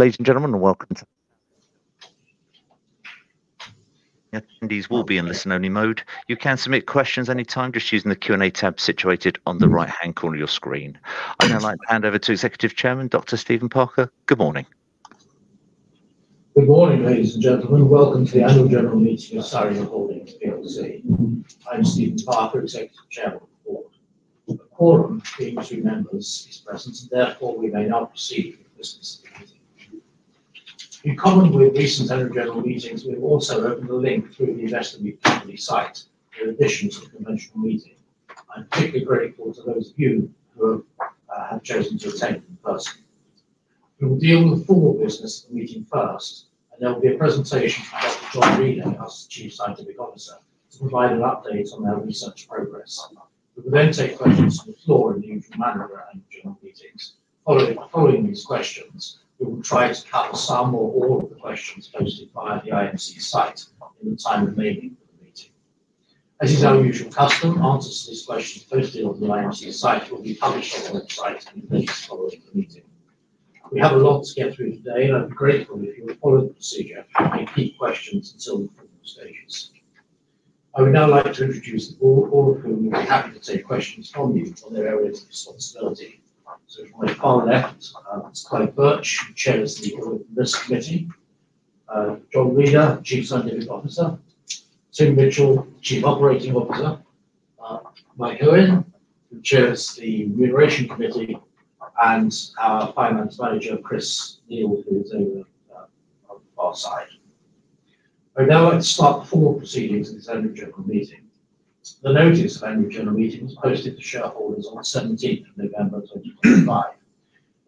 Ladies and gentlemen, welcome to Attendees will be in listen-only mode. You can submit questions anytime just using the Q&A tab situated on the right-hand corner of your screen. I'd now like to hand over to Executive Chairman Dr. Stephen Parker. Good morning. Good morning, ladies and gentlemen. Welcome to the Annual General Meeting of Sareum Holdings PLC. I'm Stephen Parker, Executive Chairman of the Board. A quorum of PLC members is present, and therefore we may now proceed with business. In common with recent Annual General Meetings, we've also opened the link through the Investor Meet Company site, in addition to the conventional meeting. I'm particularly grateful to those of you who have chosen to attend in person. We will deal with formal business at the meeting first, and there will be a presentation from Dr. John Reader, our Chief Scientific Officer, to provide an update on our research progress. We will then take questions from the floor in the usual manner for Annual General Meetings. Following these questions, we will try to cover some or all of the questions posted via the IMC site in the time remaining for the meeting. As our usual custom, answers to these questions posted on the IMC site will be published on the website in the minutes following the meeting. We have a lot to get through today, and I'd be grateful if you would follow the procedure and keep questions until the formal stages. I would now like to introduce the board, all of whom will be happy to take questions from you on their areas of responsibility. To my far left, it's Clive Birch, who chairs the Audit and Risk Committee, John Reader, Chief Scientific Officer, Tim Mitchell, Chief Operating Officer, Mike Huynh, who chairs the Remuneration Committee, and our Finance Manager, Chris Neal, who is over on our side. I'd now like to start the formal proceedings of this Annual General Meeting. The notice of Annual General Meeting was posted to shareholders on the 17th of November 2025.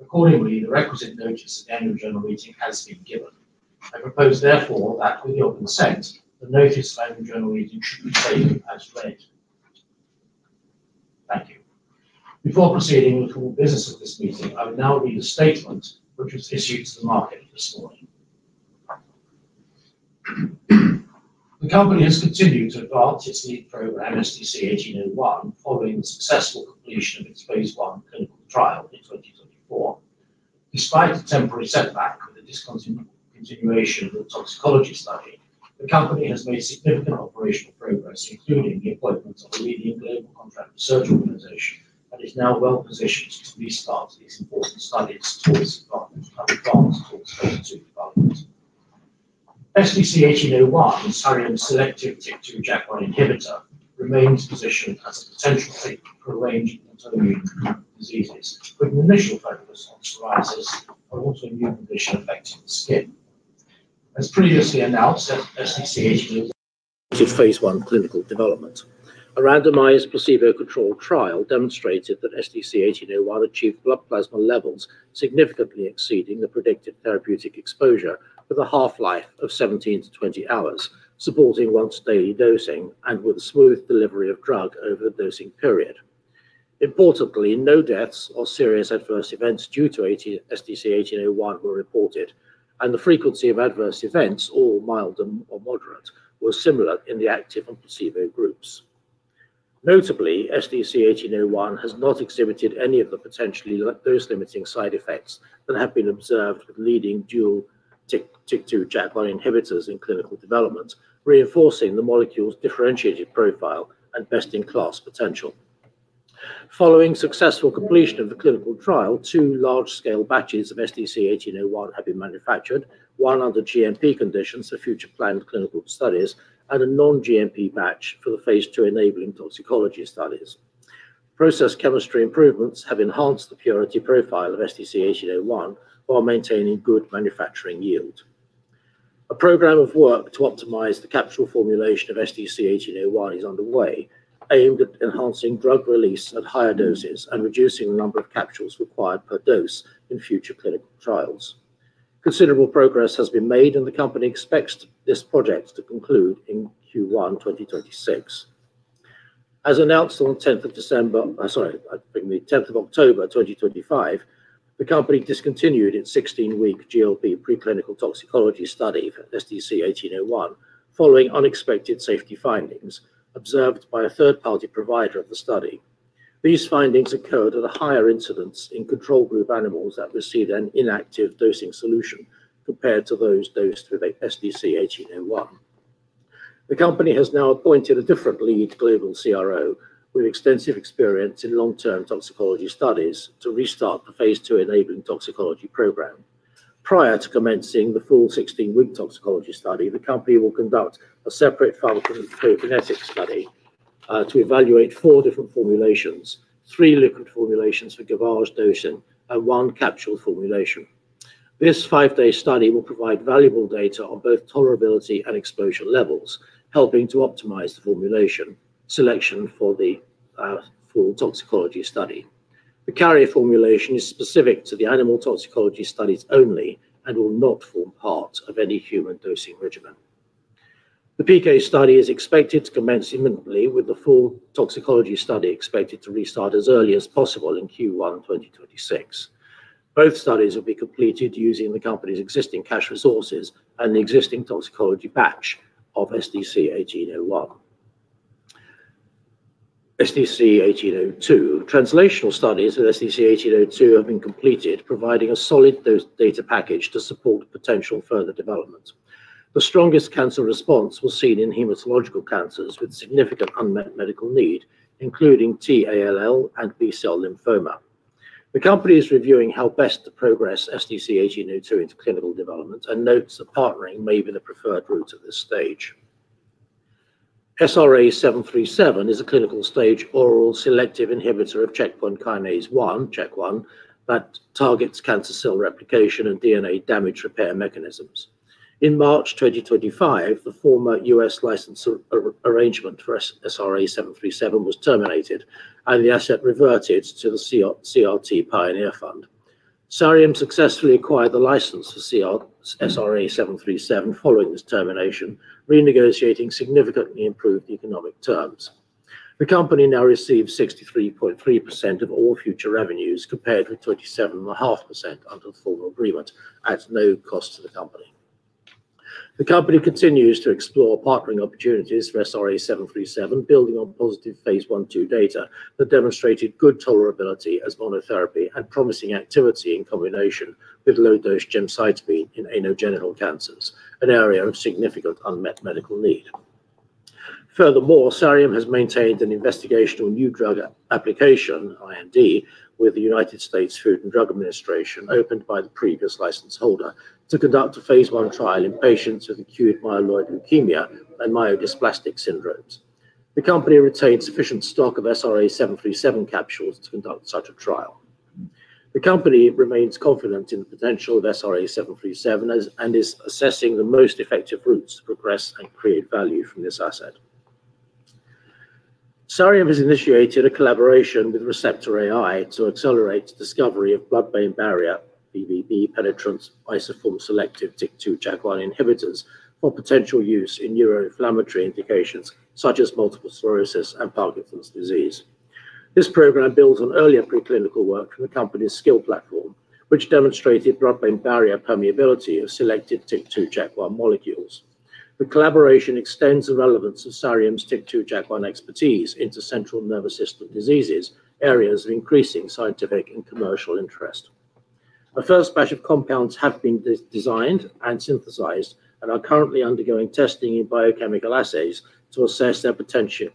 Accordingly, the requisite notice of the Annual General Meeting has been given. I propose therefore that, with your consent, the notice of Annual General Meeting should be taken as read. Thank you. Before proceeding with formal business of this meeting, I will now read a statement which was issued to the market this morning. The company has continued to advance its lead program, SDC-1801, following the successful completion of its phase I clinical trial in 2024. Despite a temporary setback with the discontinuation of the toxicology study, the company has made significant operational progress, including the appointment of a leading global contract research organization, and is now well positioned to restart its important studies towards advanced toxicology development. SDC-1801, Sareum's selective TYK2/JAK1 inhibitor, remains positioned as a potential taker for a range of autoimmune diseases, with an initial focus on psoriasis and autoimmune conditions affecting the skin. As previously announced, SDC-1801. Phase I clinical development. A randomized placebo-controlled trial demonstrated that SDC-1801 achieved blood plasma levels significantly exceeding the predicted therapeutic exposure with a half-life of 17-20 hours, supporting once-daily dosing and with a smooth delivery of drug over the dosing period. Importantly, no deaths or serious adverse events due to SDC-1801 were reported, and the frequency of adverse events, all mild or moderate, was similar in the active and placebo groups. Notably, SDC-1801 has not exhibited any of the potentially dose-limiting side effects that have been observed with leading dual TYK2/JAK1 inhibitors in clinical development, reinforcing the molecule's differentiated profile and best-in-class potential. Following successful completion of the clinical trial, two large-scale batches of SDC-1801 have been manufactured, one under GMP conditions for future planned clinical studies and a non-GMP batch for the phase II enabling toxicology studies. Process chemistry improvements have enhanced the purity profile of SDC-1801 while maintaining good manufacturing yield. A program of work to optimize the capsule formulation of SDC-1801 is underway, aimed at enhancing drug release at higher doses and reducing the number of capsules required per dose in future clinical trials. Considerable progress has been made, and the company expects this project to conclude in Q1 2026. As announced on the 10th of December, -- sorry, I'm putting the 10th of October 2025, the company discontinued its 16-week GLP preclinical toxicology study for SDC-1801 following unexpected safety findings observed by a third-party provider of the study. These findings occurred at a higher incidence in control group animals that received an inactive dosing solution compared to those dosed with SDC-1801. The company has now appointed a different lead global CRO with extensive experience in long-term toxicology studies to restart the phase II enabling toxicology program. Prior to commencing the full 16-week toxicology study, the company will conduct a separate pharmacokinetic study to evaluate four different formulations: three liquid formulations for gavage dosing and one capsule formulation. This five-day study will provide valuable data on both tolerability and exposure levels, helping to optimize the formulation selection for the full toxicology study. The carrier formulation is specific to the animal toxicology studies only and will not form part of any human dosing regimen. The PK study is expected to commence imminently, with the full toxicology study expected to restart as early as possible in Q1 2026. Both studies will be completed using the company's existing cash resources and the existing toxicology batch of SDC-1801. SDC-1802 translational studies for SDC-1802 have been completed, providing a solid data package to support potential further development. The strongest cancer response was seen in hematological cancers with significant unmet medical need, including T-ALL and B-cell lymphoma. The company is reviewing how best to progress SDC-1802 into clinical development and notes that partnering may be the preferred route at this stage. SRA737 is a clinical-stage oral selective inhibitor of Checkpoint Kinase 1, Chk1, that targets cancer cell replication and DNA damage repair mechanisms. In March 2025, the former U.S. license arrangement for SRA737 was terminated, and the asset reverted to the CRT Pioneer Fund. Sareum successfully acquired the license for SRA737 following this termination, renegotiating significantly improved economic terms. The company now receives 63.3% of all future revenues compared with 27.5% under the formal agreement at no cost to the company. The company continues to explore partnering opportunities for SRA737, building on positive phase 1/2 data that demonstrated good tolerability as monotherapy and promising activity in combination with low-dose gemcitabine in anogenital cancers, an area of significant unmet medical need. Furthermore, Sareum has maintained an investigational new drug application, IND, with the United States Food and Drug Administration, opened by the previous license holder, to conduct a phase I trial in patients with acute myeloid leukemia and myelodysplastic syndromes. The company retains sufficient stock of SRA737 capsules to conduct such a trial. The company remains confident in the potential of SRA737 and is assessing the most effective routes to progress and create value from this asset. Sareum has initiated a collaboration with Receptor.AI to accelerate the discovery of blood-brain barrier (BBB) penetrant isoform-selective TYK2/JAK1 inhibitors for potential use in neuroinflammatory indications such as multiple sclerosis and Parkinson's disease. This program builds on earlier preclinical work from the company's SKIL platform, which demonstrated blood-brain barrier permeability of selected TYK2/JAK1 molecules. The collaboration extends the relevance of Sareum's TYK2/JAK1 expertise into central nervous system diseases, areas of increasing scientific and commercial interest. A first batch of compounds have been designed and synthesized and are currently undergoing testing in biochemical assays to assess their potency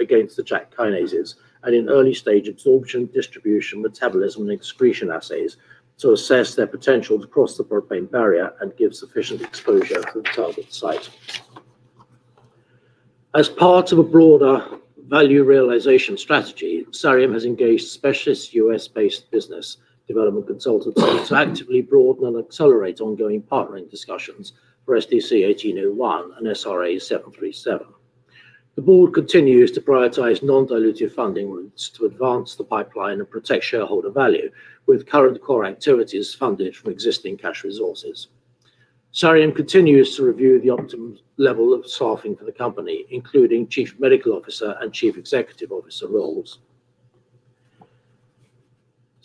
against the JAK kinases and in early-stage absorption, distribution, metabolism, and excretion assays to assess their potential to cross the blood-brain barrier and give sufficient exposure to the target site. As part of a broader value realization strategy, Sareum has engaged specialist U.S.-based business development consultancy to actively broaden and accelerate ongoing partnering discussions for SDC-1801 and SRA737. The board continues to prioritize non-dilutive funding routes to advance the pipeline and protect shareholder value, with current core activities funded from existing cash resources. Sareum continues to review the optimum level of staffing for the company, including Chief Medical Officer and Chief Executive Officer roles.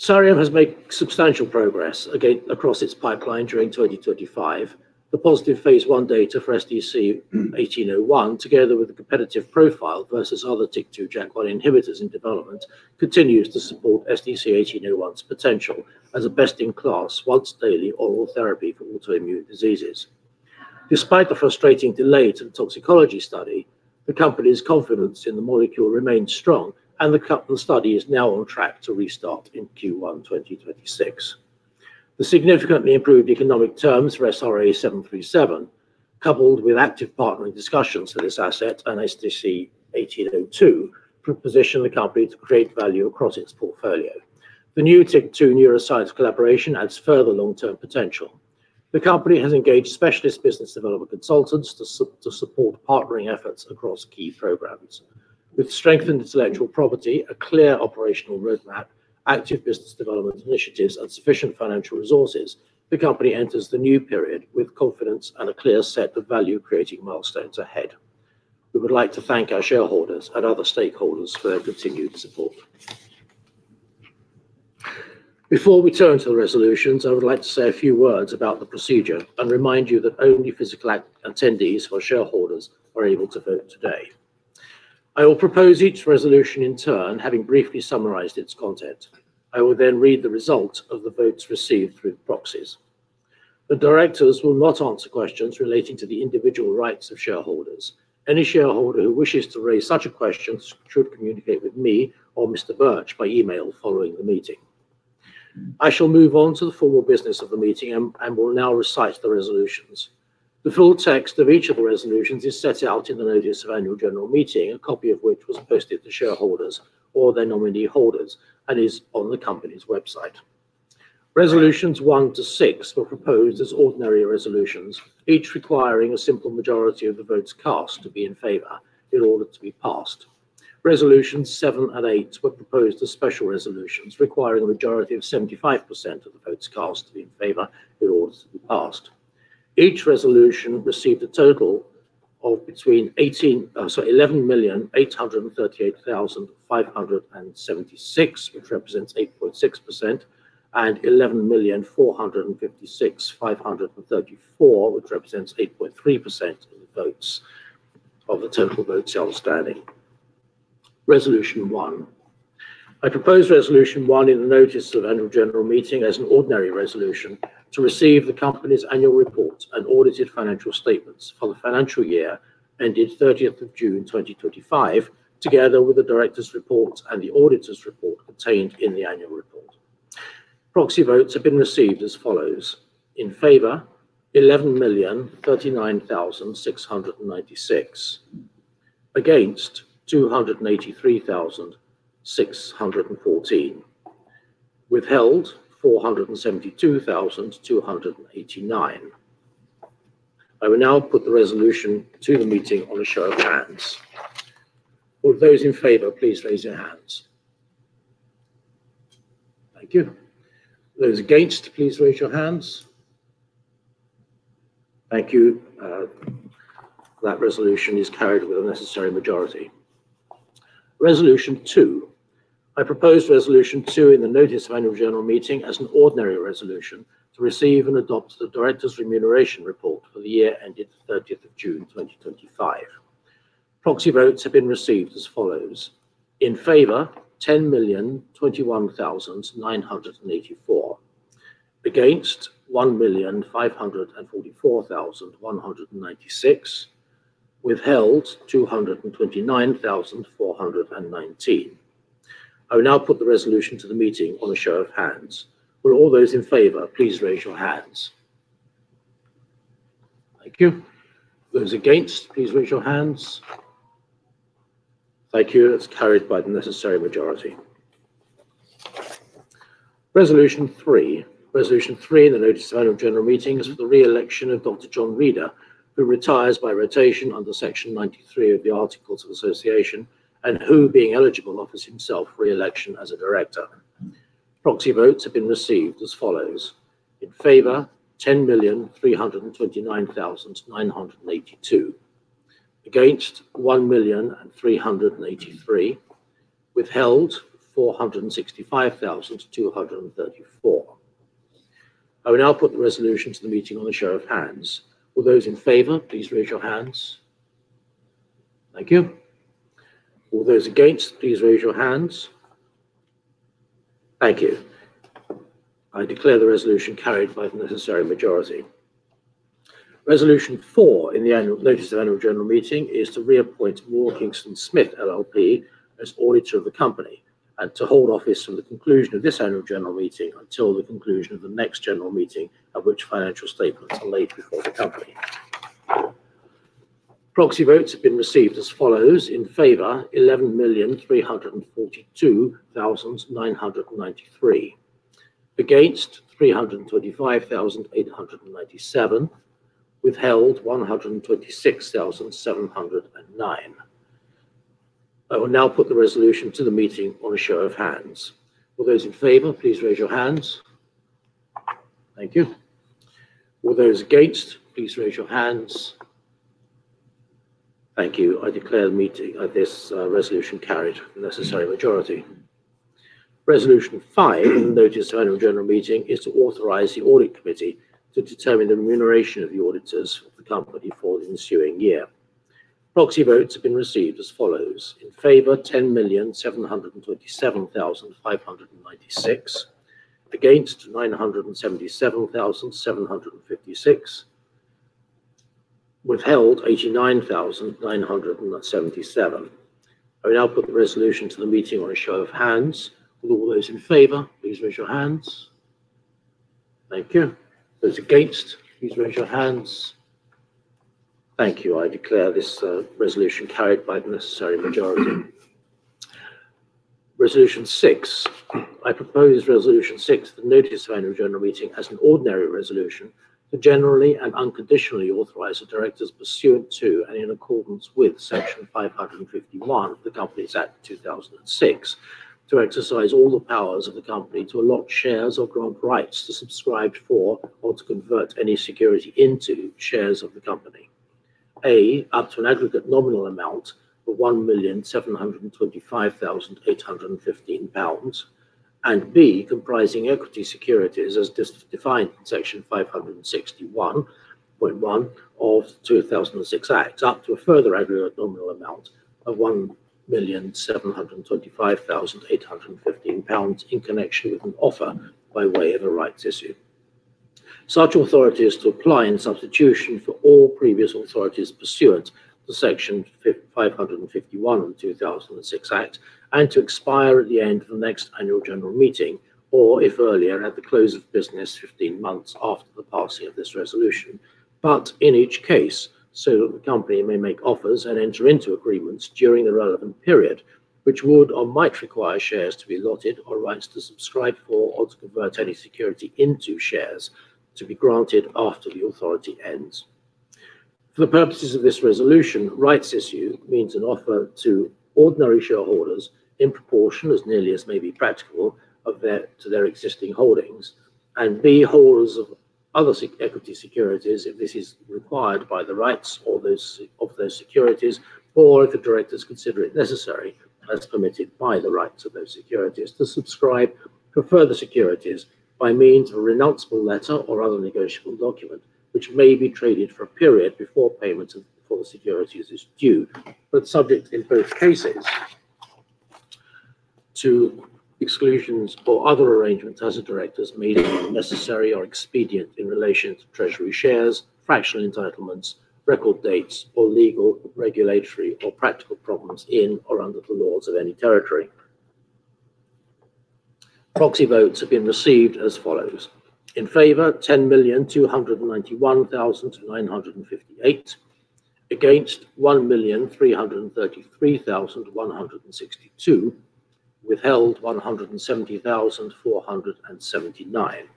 Sareum has made substantial progress across its pipeline during 2025. The positive phase I data for SDC-1801, together with the competitive profile versus other TYK2/JAK1 inhibitors in development, continues to support SDC-1801's potential as a best-in-class once-daily oral therapy for autoimmune diseases. Despite the frustrating delay to the toxicology study, the company's confidence in the molecule remains strong, and the study is now on track to restart in Q1 2026. The significantly improved economic terms for SRA737, coupled with active partnering discussions for this asset and SDC-1802, position the company to create value across its portfolio. The new TYK2 neuroscience collaboration adds further long-term potential. The company has engaged specialist business development consultants to support partnering efforts across key programs. With strengthened intellectual property, a clear operational roadmap, active business development initiatives, and sufficient financial resources, the company enters the new period with confidence and a clear set of value-creating milestones ahead. We would like to thank our shareholders and other stakeholders for their continued support. Before we turn to the resolutions, I would like to say a few words about the procedure and remind you that only physical attendees or shareholders are able to vote today. I will propose each resolution in turn, having briefly summarized its content. I will then read the results of the votes received through proxies. The directors will not answer questions relating to the individual rights of shareholders. Any shareholder who wishes to raise such a question should communicate with me or Mr. Birch by email following the meeting. I shall move on to the formal business of the meeting and will now recite the resolutions. The full text of each of the resolutions is set out in the notice of Annual General Meeting, a copy of which was posted to shareholders or their nominee holders and is on the company's website. Resolutions one to six were proposed as ordinary resolutions, each requiring a simple majority of the votes cast to be in favor in order to be passed. Resolutions seven and eight were proposed as special resolutions requiring a majority of 75% of the votes cast to be in favor in order to be passed. Each resolution received a total of between 11,838,576, which represents 8.6%, and 11,456,534, which represents 8.3% of the votes of the total votes outstanding. Resolution one. I propose Resolution one in the notice of Annual General Meeting as an ordinary resolution to receive the company's annual report and audited financial statements for the financial year ended 30th of June 2025, together with the director's report and the auditor's report contained in the annual report. Proxy votes have been received as follows: in favor, 11,039,696; against, 283,614; withheld, 472,289. I will now put the resolution to the meeting on a show of hands. All those in favor, please raise your hands. Thank you. Those against, please raise your hands. Thank you. That resolution is carried with a necessary majority. Resolution two. I propose Resolution two in the notice of Annual General Meeting as an ordinary resolution to receive and adopt the director's remuneration report for the year ended 30th of June 2025. Proxy votes have been received as follows: in favor, 10,021,984; against, 1,544,196; withheld, 229,419. I will now put the resolution to the meeting on a show of hands. Will all those in favor, please raise your hands. Thank you. Those against, please raise your hands. Thank you. It's carried by the necessary majority. Resolution three. Resolution three in the notice of Annual General Meeting is for the re-election of Dr. John Reader, who retires by rotation under Section 93 of the Articles of Association and who, being eligible, offers himself re-election as a director. Proxy votes have been received as follows: in favor, 10,329,982; against, 1,383,000; withheld, 465,234. I will now put the resolution to the meeting on a show of hands. All those in favor, please raise your hands. Thank you. All those against, please raise your hands. Thank you. I declare the resolution carried by the necessary majority. Resolution four in the notice of Annual General Meeting is to reappoint Moore Kingston Smith LLP as auditor of the company and to hold office from the conclusion of this Annual General Meeting until the conclusion of the next general meeting at which financial statements are laid before the company. Proxy votes have been received as follows: in favor, 11,342,993; against, 325,897; withheld, 126,709. I will now put the resolution to the meeting on a show of hands. All those in favor, please raise your hands. Thank you. All those against, please raise your hands. Thank you. I declare this resolution carried with the necessary majority. Resolution five in the notice of Annual General Meeting is to authorize the audit committee to determine the remuneration of the auditors of the company for the ensuing year. Proxy votes have been received as follows: in favor, 10,727,596; against, 977,756; withheld, 89,977. I will now put the resolution to the meeting on a show of hands. All those in favor, please raise your hands. Thank you. Those against, please raise your hands. Thank you. I declare this resolution carried by the necessary majority. Resolution six. I propose Resolution six, the notice of Annual General Meeting as an ordinary resolution to generally and unconditionally authorize the directors pursuant to and in accordance with Section 551 of the Companies Act 2006 to exercise all the powers of the company to allot shares or grant rights to subscribe for or to convert any security into shares of the company: A, up to an aggregate nominal amount of 1,725,815 pounds; and B, comprising equity securities as defined in Section 561.1 of the 2006 Act, up to a further aggregate nominal amount of 1,725,815 pounds in connection with an offer by way of a rights issue. Such authority is to apply in substitution for all previous authorities pursuant to Section 551 of the 2006 Act and to expire at the end of the next Annual General Meeting or, if earlier, at the close of business 15 months after the passing of this resolution, but in each case so that the company may make offers and enter into agreements during the relevant period which would or might require shares to be allotted or rights to subscribe for or to convert any security into shares to be granted after the authority ends. For the purposes of this resolution, rights issue means an offer to ordinary shareholders in proportion as nearly as may be practicable to their existing holdings and to holders of other equity securities if this is required by the rights of those securities or if the directors consider it necessary, as permitted by the rights of those securities, to subscribe for further securities by means of a renounceable letter or other negotiable document which may be traded for a period before payment for the securities is due, but subject in both cases to exclusions or other arrangements as the directors may deem necessary or expedient in relation to treasury shares, fractional entitlements, record dates, or legal, regulatory, or practical problems in or under the laws of any territory. Proxy votes have been received as follows: in favor, 10,291,958, against, 1,333,162, withheld, 170,479.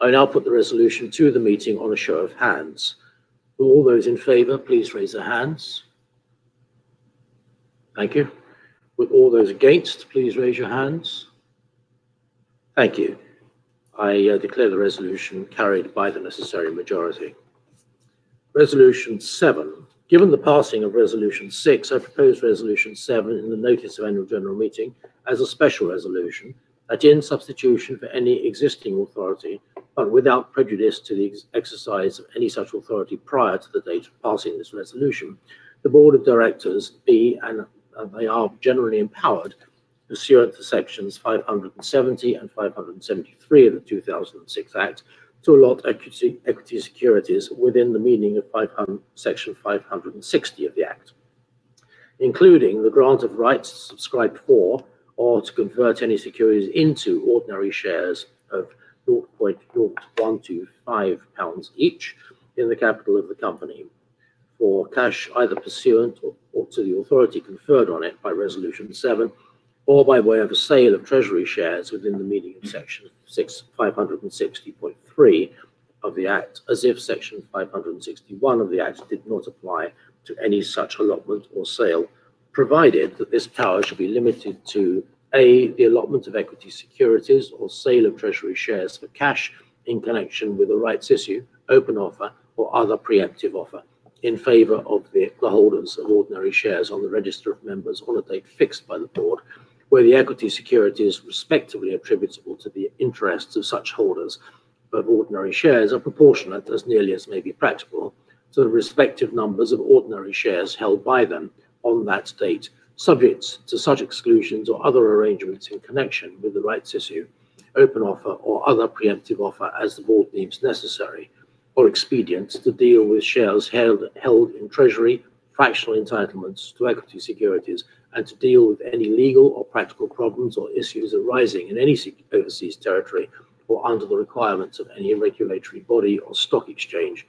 I now put the resolution to the meeting on a show of hands. All those in favor, please raise your hands. Thank you. With all those against, please raise your hands. Thank you. I declare the resolution carried by the necessary majority. Resolution seven. Given the passing of Resolution six, I propose Resolution seven in the notice of Annual General Meeting as a special resolution that, in substitution for any existing authority but without prejudice to the exercise of any such authority prior to the date of passing this resolution, the Board of Directors be and they are generally empowered pursuant to Sections 570 and 573 of the 2006 Act to allot equity securities within the meaning of Section 560 of the Act, including the grant of rights to subscribe for or to convert any securities into ordinary shares of 0.125 pounds each in the capital of the company for cash either pursuant to the authority conferred on it by Resolution seven or by way of a sale of treasury shares within the meaning of Section 560(3) of the Act, as if Section 561 of the Act did not apply to any such allotment or sale, provided that this power should be limited to: A, the allotment of equity securities or sale of treasury shares for cash in connection with a rights issue, open offer, or other preemptive offer in favor of the holders of ordinary shares on the register of members on a date fixed by the board where the equity securities respectively attributable to the interests of such holders of ordinary shares are proportionate as nearly as may be practicable to the respective numbers of ordinary shares held by them on that date, subject to such exclusions or other arrangements in connection with the rights issue, open offer, or other preemptive offer as the board deems necessary or expedient to deal with shares held in treasury, fractional entitlements to equity securities, and to deal with any legal or practical problems or issues arising in any overseas territory or under the requirements of any regulatory body or stock exchange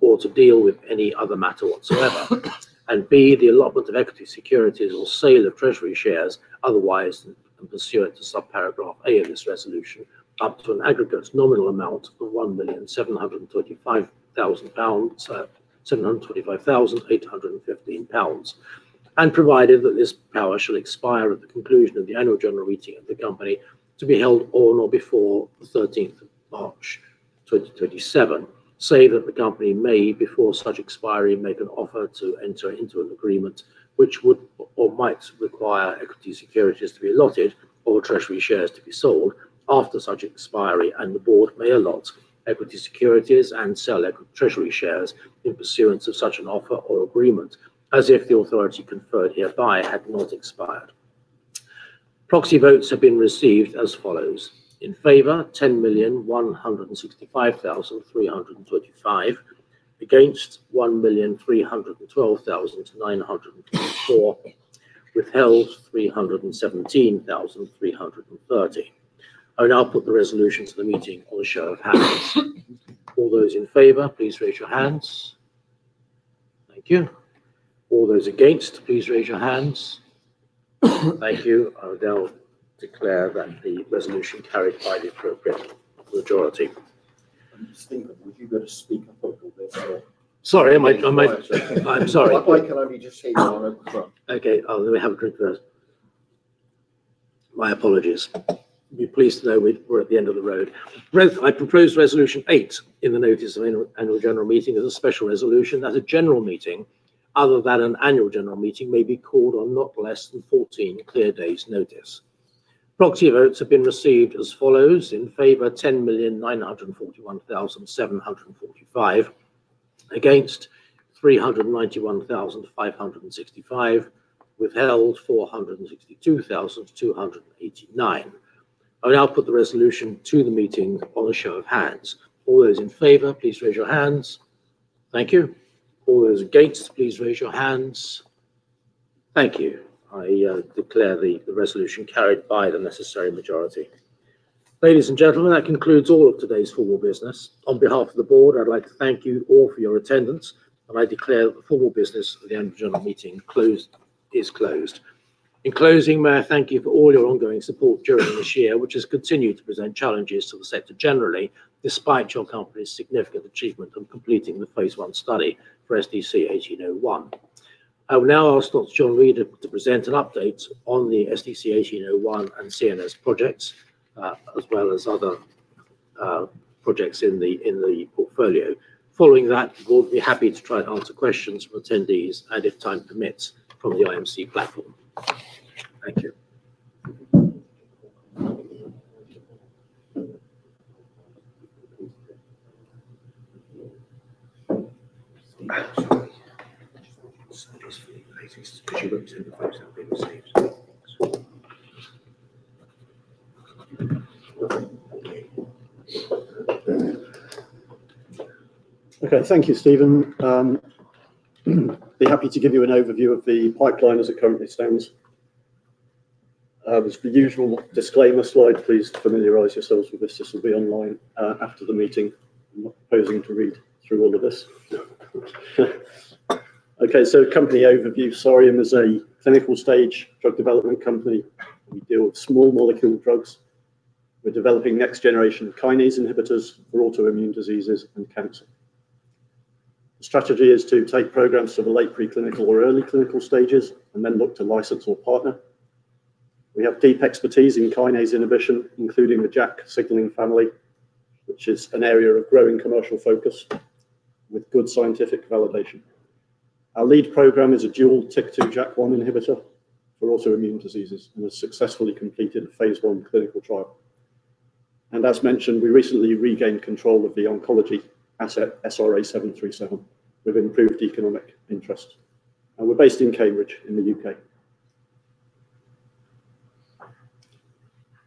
or to deal with any other matter whatsoever. And B, the allotment of equity securities or sale of treasury shares otherwise than pursuant to subparagraph A of this resolution up to an aggregate nominal amount of 1,725,815 pounds, and provided that this power shall expire at the conclusion of the Annual General Meeting of the company to be held on or before the 13th of March 2027, say that the company may, before such expiry, make an offer to enter into an agreement which would or might require equity securities to be allotted or treasury shares to be sold after such expiry, and the board may allot equity securities and sell treasury shares in pursuance of such an offer or agreement as if the authority conferred hereby had not expired. Proxy votes have been received as follows: in favor, 10,165,325; against, 1,312,924; withheld, 317,330. I will now put the resolution to the meeting on a show of hands. All those in favor, please raise your hands. Thank you. All those against, please raise your hands. Thank you. I will now declare that the resolution carried by the appropriate majority. I'm just thinking, would you go to speak up a little bit more? Sorry, I'm sorry. Why can't I be just here now and open the front? Okay. Oh, let me have a drink first. My apologies. Be pleased to know we're at the end of the road. I propose Resolution eight in the notice of Annual General Meeting as a special resolution that a general meeting other than an Annual General Meeting may be called on not less than 14 clear days' notice. Proxy votes have been received as follows: in favor, 10,941,745; against, 391,565; withheld, 462,289. I will now put the resolution to the meeting on a show of hands. All those in favor, please raise your hands. Thank you. All those against, please raise your hands. Thank you. I declare the resolution carried by the necessary majority. Ladies and gentlemen, that concludes all of today's formal business. On behalf of the board, I'd like to thank you all for your attendance, and I declare that the formal business of the Annual General Meeting is closed. In closing, may I thank you for all your ongoing support during this year, which has continued to present challenges to the sector generally, despite your company's significant achievement of completing the phase I study for SDC-1801. I will now ask Dr. John Reader to present an update on the SDC-1801 and CNS projects, as well as other projects in the portfolio. Following that, the board will be happy to try and answer questions from attendees, and if time permits, from the IMC platform. Thank you. Okay. Thank you, Stephen. I'll be happy to give you an overview of the pipeline as it currently stands. There's the usual disclaimer slide. Please familiarize yourselves with this. This will be online after the meeting. I'm not pausing to read through all of this. Okay. So company overview: Sareum is a clinical-stage drug development company. We deal with small molecule drugs. We're developing next-generation kinase inhibitors for autoimmune diseases and cancer. The strategy is to take programs to the late preclinical or early clinical stages and then look to license or partner. We have deep expertise in kinase inhibition, including the JAK signaling family, which is an area of growing commercial focus with good scientific validation. Our lead program is a dual TYK2/JAK1 inhibitor for autoimmune diseases and has successfully completed a phase I clinical trial. And as mentioned, we recently regained control of the oncology asset SRA737 with improved economic interest. And we're based in Cambridge in the U.K.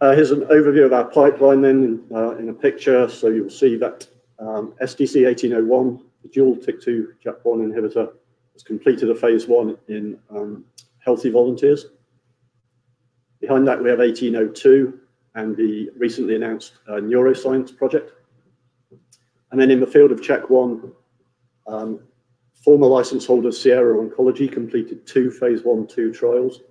Here's an overview of our pipeline then in a picture. So you'll see that SDC-1801, the dual TYK2/JAK1 inhibitor, has completed a phase I in healthy volunteers. Behind that, we have SDC-1802 and the recently announced neuroscience project. And then in the field of Chk1, former license holder Sierra Oncology completed two phase 1/2 trials,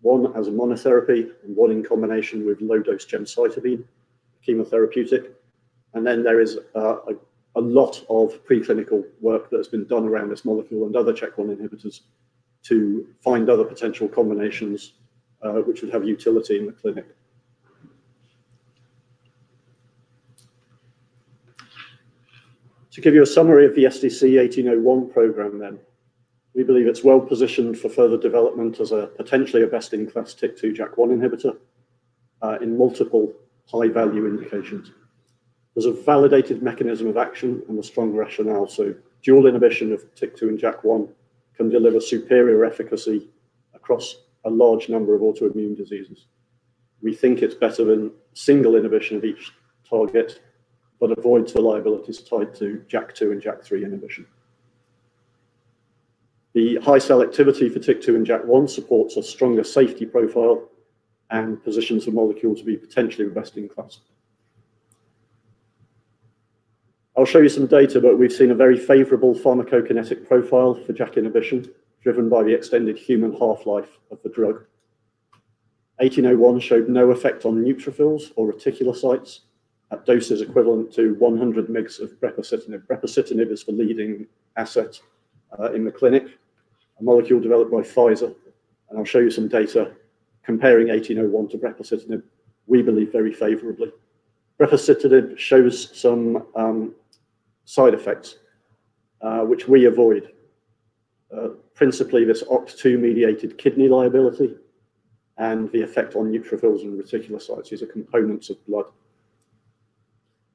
one as a monotherapy and one in combination with low-dose gemcitabine, a chemotherapeutic. And then there is a lot of preclinical work that has been done around this molecule and other Chk1 inhibitors to find other potential combinations which would have utility in the clinic. To give you a summary of the SDC-1801 program then, we believe it's well positioned for further development as potentially a best-in-class TYK2/JAK1 inhibitor in multiple high-value indications. There's a validated mechanism of action and a strong rationale. So dual inhibition of TYK2 and JAK1 can deliver superior efficacy across a large number of autoimmune diseases. We think it's better than single inhibition of each target, but avoids the liabilities tied to JAK2 and JAK3 inhibition. The high selectivity for TYK2 and JAK1 supports a stronger safety profile and positions the molecule to be potentially the best in class. I'll show you some data, but we've seen a very favorable pharmacokinetic profile for JAK inhibition driven by the extended human half-life of the drug. 1801 showed no effect on neutrophils or reticulocytes at doses equivalent to 100 mg of brepocitinib. Brepocitinib is the leading asset in the clinic, a molecule developed by Pfizer. I'll show you some data comparing 1801 to brepocitinib, we believe, very favorably. Brepocitinib shows some side effects which we avoid. Principally, this OCT2-mediated kidney liability and the effect on neutrophils and reticulocytes as a component of blood.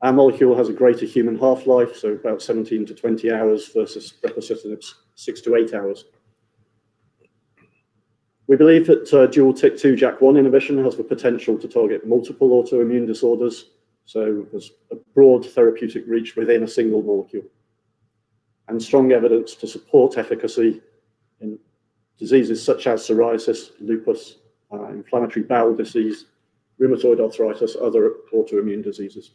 Our molecule has a greater human half-life, so about 17-20 hours versus brepocitinib's 6-8 hours. We believe that dual TYK2 JAK1 inhibition has the potential to target multiple autoimmune disorders. There's a broad therapeutic reach within a single molecule and strong evidence to support efficacy in diseases such as psoriasis, lupus, inflammatory bowel disease, rheumatoid arthritis, and other autoimmune diseases.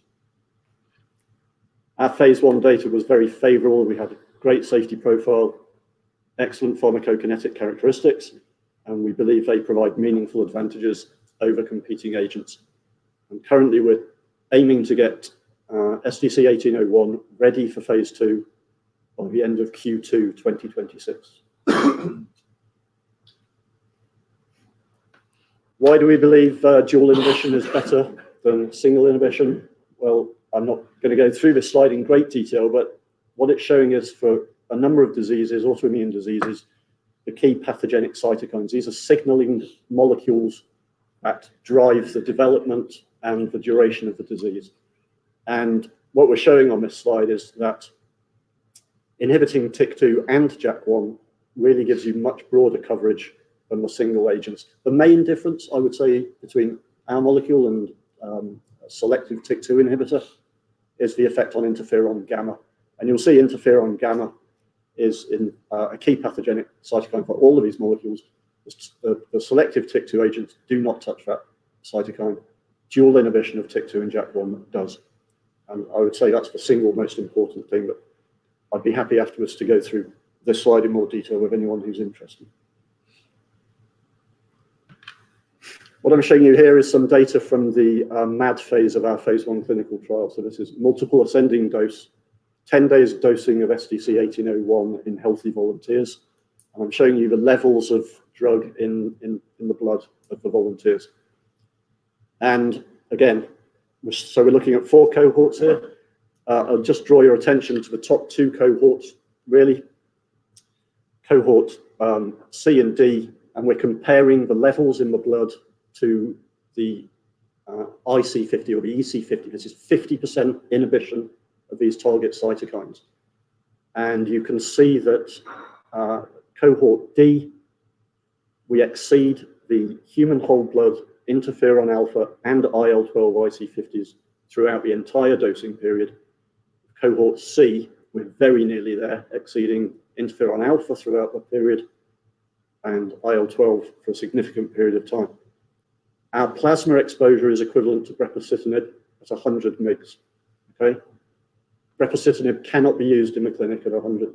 Our phase I data was very favorable. We had a great safety profile, excellent pharmacokinetic characteristics, and we believe they provide meaningful advantages over competing agents. Currently, we're aiming to get SDC-1801 ready for phase II by the end of Q2 2026. Why do we believe dual inhibition is better than single inhibition? I'm not going to go through this slide in great detail, but what it's showing is for a number of diseases, autoimmune diseases, the key pathogenic cytokines. These are signaling molecules that drive the development and the duration of the disease. What we're showing on this slide is that inhibiting TYK2 and JAK1 really gives you much broader coverage than the single agents. The main difference, I would say, between our molecule and a selective TYK2 inhibitor is the effect on interferon gamma. You'll see interferon gamma is a key pathogenic cytokine for all of these molecules. The selective TYK2 agents do not touch that cytokine. Dual inhibition of TYK2 and JAK1 does. I would say that's the single most important thing. But I'd be happy afterwards to go through this slide in more detail with anyone who's interested. What I'm showing you here is some data from the MAD phase of our phase I clinical trial. So this is multiple ascending dose, 10 days' dosing of SDC-1801 in healthy volunteers. And I'm showing you the levels of drug in the blood of the volunteers. And again, so we're looking at four cohorts here. I'll just draw your attention to the top two cohorts, really. Cohort C and D, and we're comparing the levels in the blood to the IC50 or the EC50. This is 50% inhibition of these target cytokines. And you can see that cohort D, we exceed the human whole blood interferon alpha and IL-12 IC50s throughout the entire dosing period. Cohort C, we're very nearly there, exceeding interferon alpha throughout the period and IL-12 for a significant period of time. Our plasma exposure is equivalent to brepocitinib at 100 mg. Okay? Brepocitinib cannot be used in the clinic at 100 mg.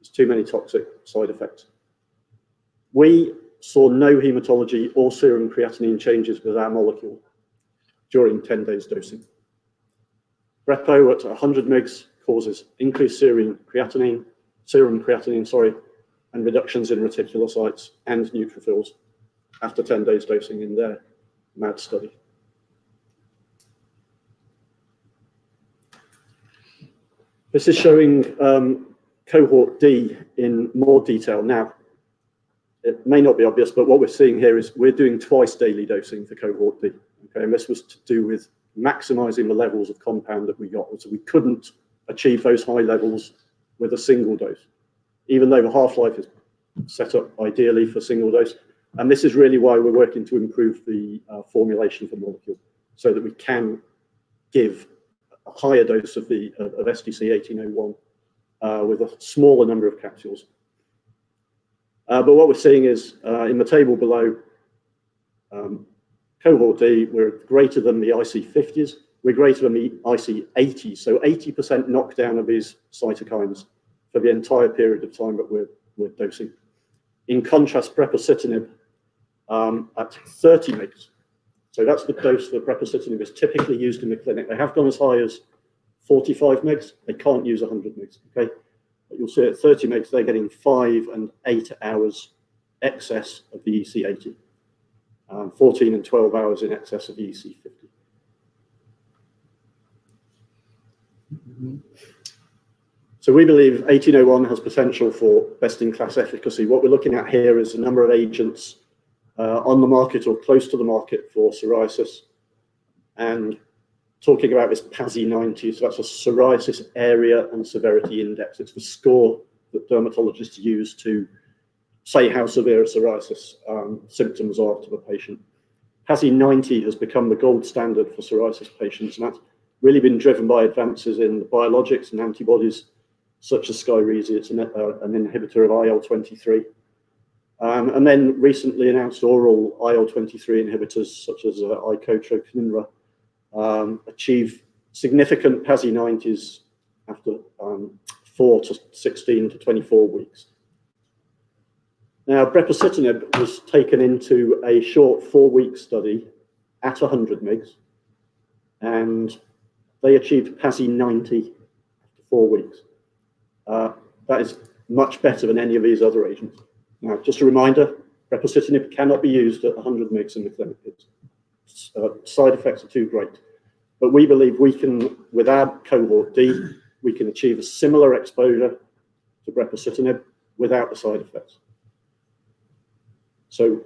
There's too many toxic side effects. We saw no hematology or serum creatinine changes with our molecule during 10 days' dosing. Brepo at 100 mg causes increased serum creatinine, sorry, and reductions in reticulocytes and neutrophils after 10 days' dosing in their MAD study. This is showing cohort D in more detail now. It may not be obvious, but what we're seeing here is we're doing twice-daily dosing for cohort D. Okay? And this was to do with maximizing the levels of compound that we got. So we couldn't achieve those high levels with a single dose, even though the half-life is set up ideally for a single dose. This is really why we're working to improve the formulation for the molecule so that we can give a higher dose of SDC-1801 with a smaller number of capsules. But what we're seeing is in the table below, cohort D, we're greater than the IC50s. We're greater than the IC80s. So 80% knockdown of these cytokines for the entire period of time that we're dosing. In contrast, brepocitinib at 30 mg. So that's the dose that brepocitinib is typically used in the clinic. They have gone as high as 45 mg. They can't use 100 mg. Okay? But you'll see at 30 mg, they're getting five and eight hours excess of the EC80, 14 and 12 hours in excess of the EC50. So we believe 1801 has potential for best-in-class efficacy. What we're looking at here is the number of agents on the market or close to the market for psoriasis. Talking about this PASI 90, so that's a psoriasis area and severity index. It's the score that dermatologists use to say how severe psoriasis symptoms are to the patient. PASI 90 has become the gold standard for psoriasis patients. That's really been driven by advances in biologics and antibodies such as SKYRIZI. It's an inhibitor of IL-23. Then recently announced oral IL-23 inhibitors such as icotrokinra achieve significant PASI 90s after 4 to 16 to 24 weeks. Now, brepocitinib was taken into a short four-week study at 100 mg, and they achieved PASI 90 after four weeks. That is much better than any of these other agents. Now, just a reminder, brepocitinib cannot be used at 100 mg in the clinic. Side effects are too great. But we believe we can, with our cohort D, we can achieve a similar exposure to brepocitinib without the side effects. So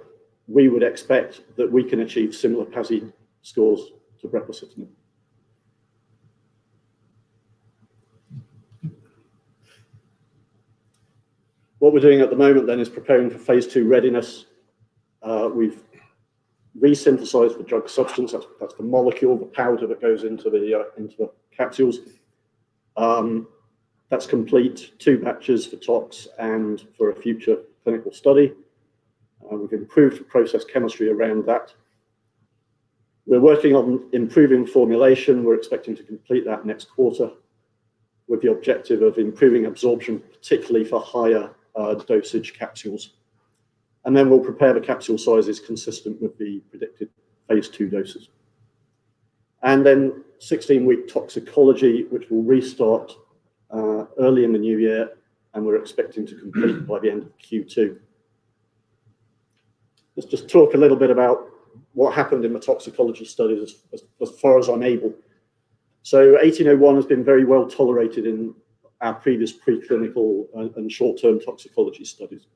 we would expect that we can achieve similar PASI scores to brepocitinib. What we're doing at the moment then is preparing for phase II readiness. We've re-synthesized the drug substance. That's the molecule, the powder that goes into the capsules. That's complete two batches for TOX and for a future clinical study. We've improved the process chemistry around that. We're working on improving formulation. We're expecting to complete that next quarter with the objective of improving absorption, particularly for higher dosage capsules. And then we'll prepare the capsule sizes consistent with the predicted phase II doses. And then 16-week toxicology, which will restart early in the new year, and we're expecting to complete by the end of Q2. Let's just talk a little bit about what happened in the toxicology studies as far as I'm able. So 1801 has been very well tolerated in our previous preclinical and short-term toxicology studies.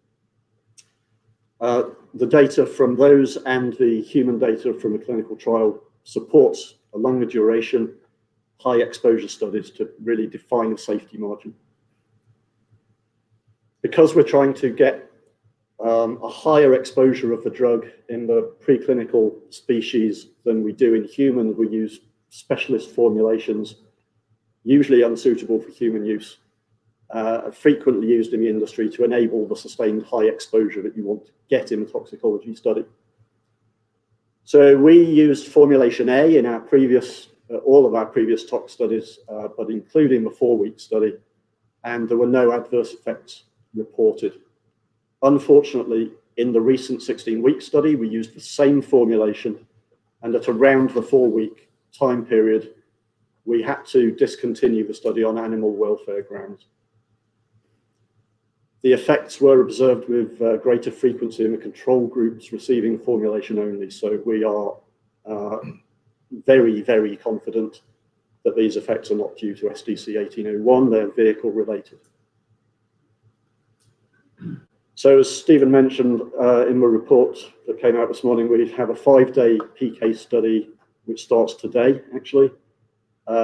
The data from those and the human data from a clinical trial supports a longer duration, high-exposure studies to really define the safety margin. Because we're trying to get a higher exposure of the drug in the preclinical species than we do in human, we use specialist formulations, usually unsuitable for human use, frequently used in the industry to enable the sustained high exposure that you want to get in the toxicology study. We used Formulation A in all of our previous TOX studies, but including the four-week study, and there were no adverse effects reported. Unfortunately, in the recent 16-week study, we used the same formulation, and at around the four-week time period, we had to discontinue the study on animal welfare grounds. The effects were observed with greater frequency in the control groups receiving formulation only. We are very, very confident that these effects are not due to SDC-1801. They're vehicle-related. So, as Stephen mentioned in the report that came out this morning, we have a five-day PK study, which starts today, actually,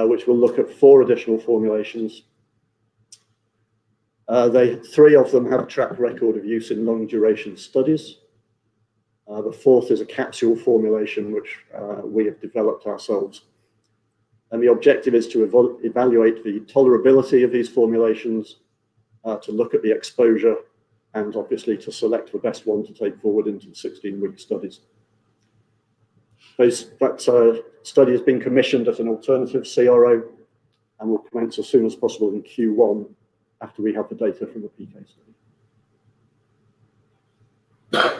which will look at four additional formulations. Three of them have a track record of use in long-duration studies. The fourth is a capsule formulation, which we have developed ourselves. And the objective is to evaluate the tolerability of these formulations, to look at the exposure, and obviously to select the best one to take forward into the 16-week studies. That study has been commissioned as an alternative CRO and will commence as soon as possible in Q1 after we have the data from the PK study.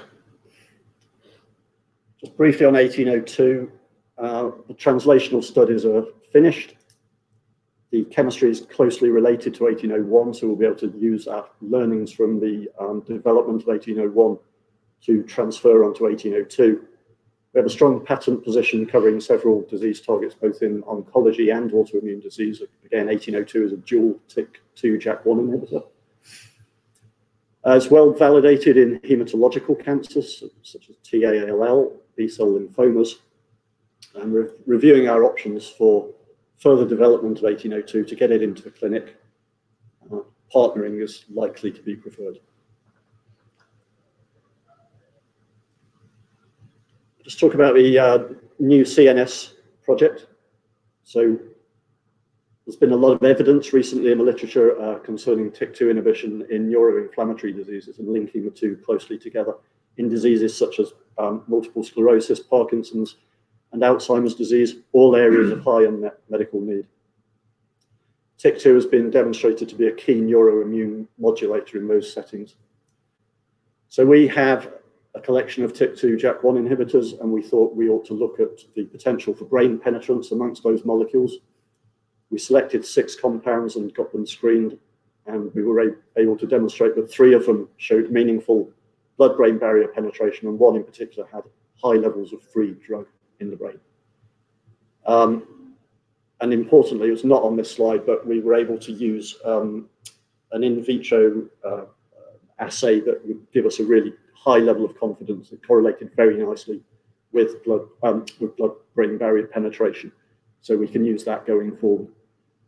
Just briefly on 1802, the translational studies are finished. The chemistry is closely related to 1801, so we'll be able to use our learnings from the development of 1801 to transfer onto 1802. We have a strong patent position covering several disease targets, both in oncology and autoimmune disease. Again, 1802 is a dual TYK2/JAK1 inhibitor. It's well validated in hematological cancers such as T-ALL, B-cell lymphomas. And we're reviewing our options for further development of 1802 to get it into the clinic. Partnering is likely to be preferred. Let's talk about the new CNS project. There's been a lot of evidence recently in the literature concerning TYK2 inhibition in neuroinflammatory diseases and linking the two closely together in diseases such as multiple sclerosis, Parkinson's, and Alzheimer's disease, all areas of high medical need. TYK2 has been demonstrated to be a key neuroimmune modulator in those settings. We have a collection of TYK2/JAK1 inhibitors, and we thought we ought to look at the potential for brain penetrance amongst those molecules. We selected six compounds and got them screened, and we were able to demonstrate that three of them showed meaningful blood-brain barrier penetration, and one in particular had high levels of free drug in the brain. Importantly, it's not on this slide, but we were able to use an in vitro assay that would give us a really high level of confidence. It correlated very nicely with blood-brain barrier penetration. So we can use that going forward.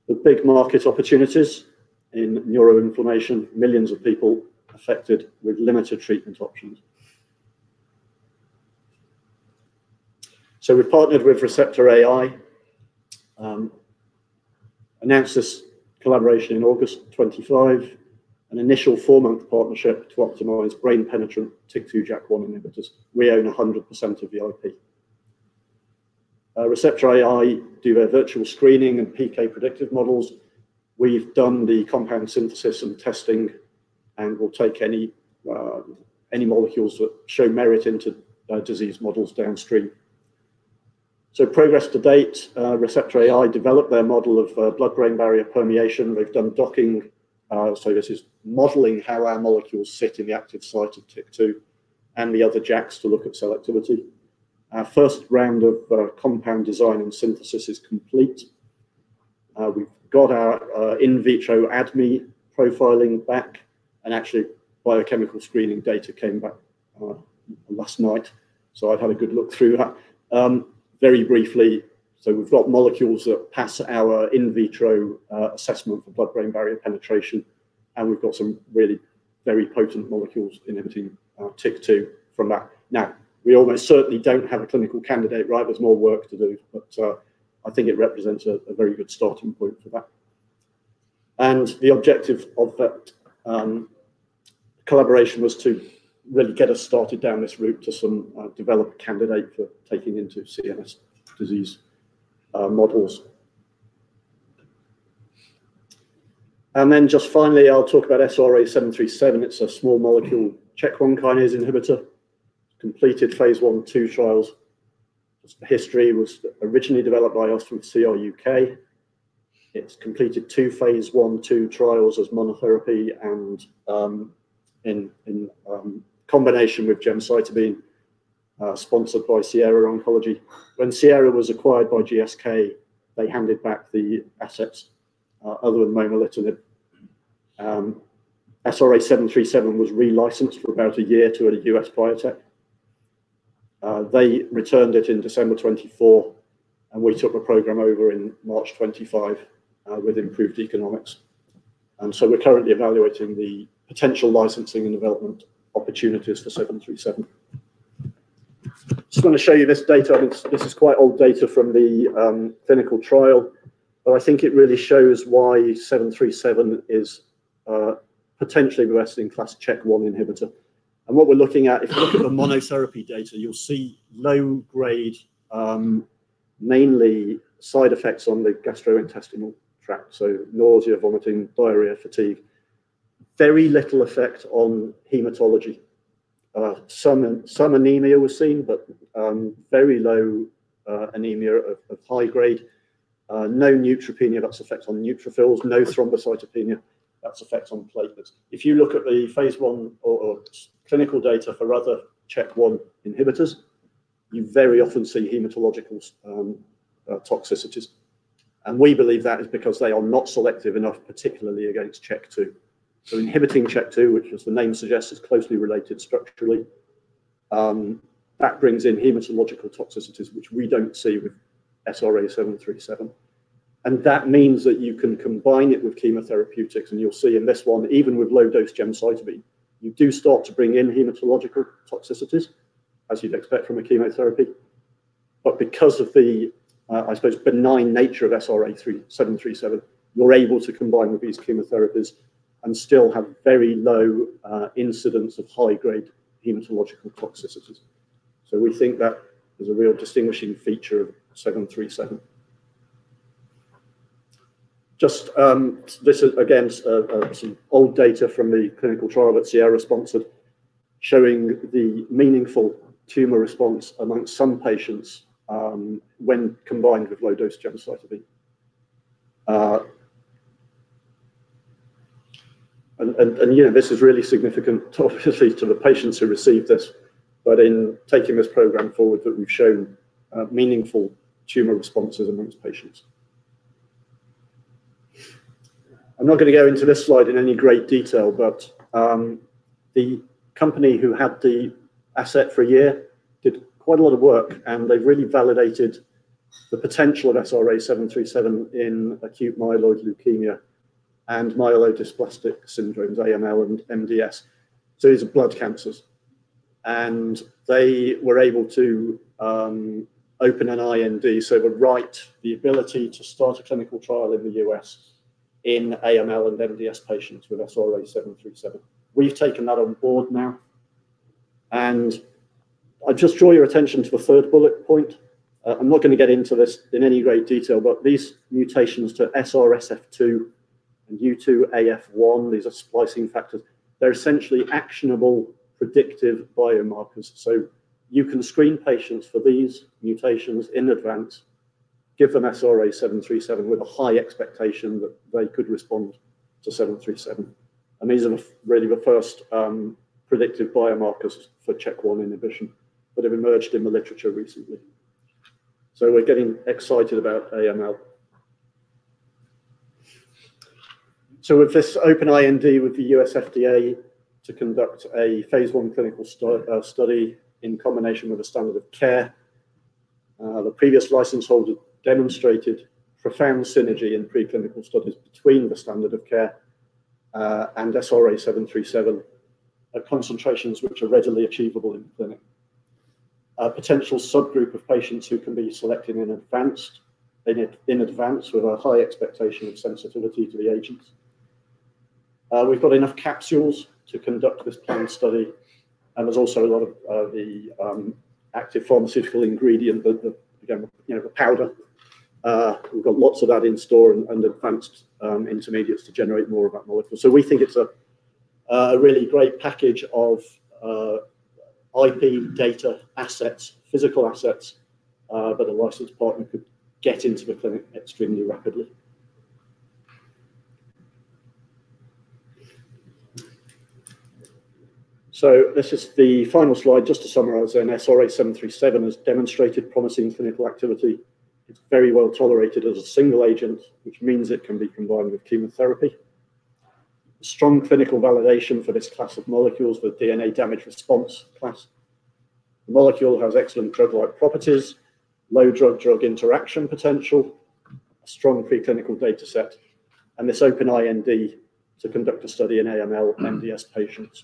The big market opportunities in neuroinflammation, millions of people affected with limited treatment options. We have partnered with Receptor.AI, announced this collaboration in August 2025, an initial four-month partnership to optimize brain penetrant TYK2/JAK1 inhibitors. We own 100% of the IP. Receptor.AI do their virtual screening and PK predictive models. We have done the compound synthesis and testing, and we will take any molecules that show merit into disease models downstream. Progress to date, Receptor.AI developed their model of blood-brain barrier permeation. They have done docking. This is modeling how our molecules sit in the active site of TYK2 and the other JAKs to look at selectivity. Our first round of compound design and synthesis is complete. We have got our in vitro ADME profiling back, and actually, biochemical screening data came back last night. I've had a good look through that. Very briefly, we've got molecules that pass our in vitro assessment for blood-brain barrier penetration, and we've got some really very potent molecules inhibiting TYK2 from that. Now, we almost certainly don't have a clinical candidate, right? There's more work to do, but I think it represents a very good starting point for that. The objective of that collaboration was to really get us started down this route to some developed candidate for taking into CNS disease models. Then just finally, I'll talk about SRA737. It's a small molecule Chk1 kinase inhibitor. Completed phase 1 and 2 trials. Just the history was originally developed by CRUK. It's completed two phase I and II trials as monotherapy and in combination with gemcitabine, sponsored by Sierra Oncology. When Sierra was acquired by GSK, they handed back the assets, other than momelotinib. SRA737 was relicensed for about a year to a U.S. biotech. They returned it in December 2024, and we took the program over in March 2025 with improved economics. And so we're currently evaluating the potential licensing and development opportunities for 737. Just want to show you this data. This is quite old data from the clinical trial, but I think it really shows why 737 is potentially the best-in-class Chk1 inhibitor. And what we're looking at, if you look at the monotherapy data, you'll see low-grade, mainly side effects on the gastrointestinal tract. So nausea, vomiting, diarrhea, fatigue. Very little effect on hematology. Some anemia was seen, but very low anemia of high grade. No neutropenia. That's effect on neutrophils. No thrombocytopenia. That's effect on platelets. If you look at the phase I or clinical data for other Chk1 inhibitors, you very often see hematological toxicities. And we believe that is because they are not selective enough, particularly against Chk2. So inhibiting Chk2, which, as the name suggests, is closely related structurally, that brings in hematological toxicities, which we don't see with SRA737. And that means that you can combine it with chemotherapeutics, and you'll see in this one, even with low-dose gemcitabine, you do start to bring in hematological toxicities, as you'd expect from a chemotherapy. But because of the, I suppose, benign nature of SRA737, you're able to combine with these chemotherapies and still have very low incidence of high-grade hematological toxicities. We think that is a real distinguishing feature of 737. Just, this is again some old data from the clinical trial that Sierra sponsored, showing the meaningful tumor response among some patients when combined with low-dose gemcitabine, and this is really significant, obviously, to the patients who received this, but in taking this program forward, that we've shown meaningful tumor responses among patients. I'm not going to go into this slide in any great detail, but the company who had the asset for a year did quite a lot of work, and they've really validated the potential of SRA737 in acute myeloid leukemia and myelodysplastic syndromes, AML and MDS, series of blood cancers, and they were able to open an IND, so it would right the ability to start a clinical trial in the U.S. in AML and MDS patients with SRA737. We've taken that on board now, and I just draw your attention to the third bullet point. I'm not going to get into this in any great detail, but these mutations to SRSF2 and U2AF1, these are splicing factors. They're essentially actionable predictive biomarkers. So you can screen patients for these mutations in advance, give them SRA737 with a high expectation that they could respond to 737. And these are really the first predictive biomarkers for Chk1 inhibition that have emerged in the literature recently. We're getting excited about AML. So with this open IND with the U.S. FDA to conduct a phase I clinical study in combination with a standard of care, the previous license holder demonstrated profound synergy in preclinical studies between the standard of care and SRA737, concentrations which are readily achievable in clinic. A potential subgroup of patients who can be selected in advance, with a high expectation of sensitivity to the agents. We've got enough capsules to conduct this planned study, and there's also a lot of the active pharmaceutical ingredient, the powder. We've got lots of that in store and advanced intermediates to generate more of that molecule. We think it's a really great package of IP data assets, physical assets, that a licensed partner could get into the clinic extremely rapidly. So this is the final slide. Just to summarize then, SRA737 has demonstrated promising clinical activity. It's very well tolerated as a single agent, which means it can be combined with chemotherapy. Strong clinical validation for this class of molecules with DNA damage response class. The molecule has excellent drug-like properties, low drug-drug interaction potential, a strong preclinical data set, and this open IND to conduct a study in AML and MDS patients.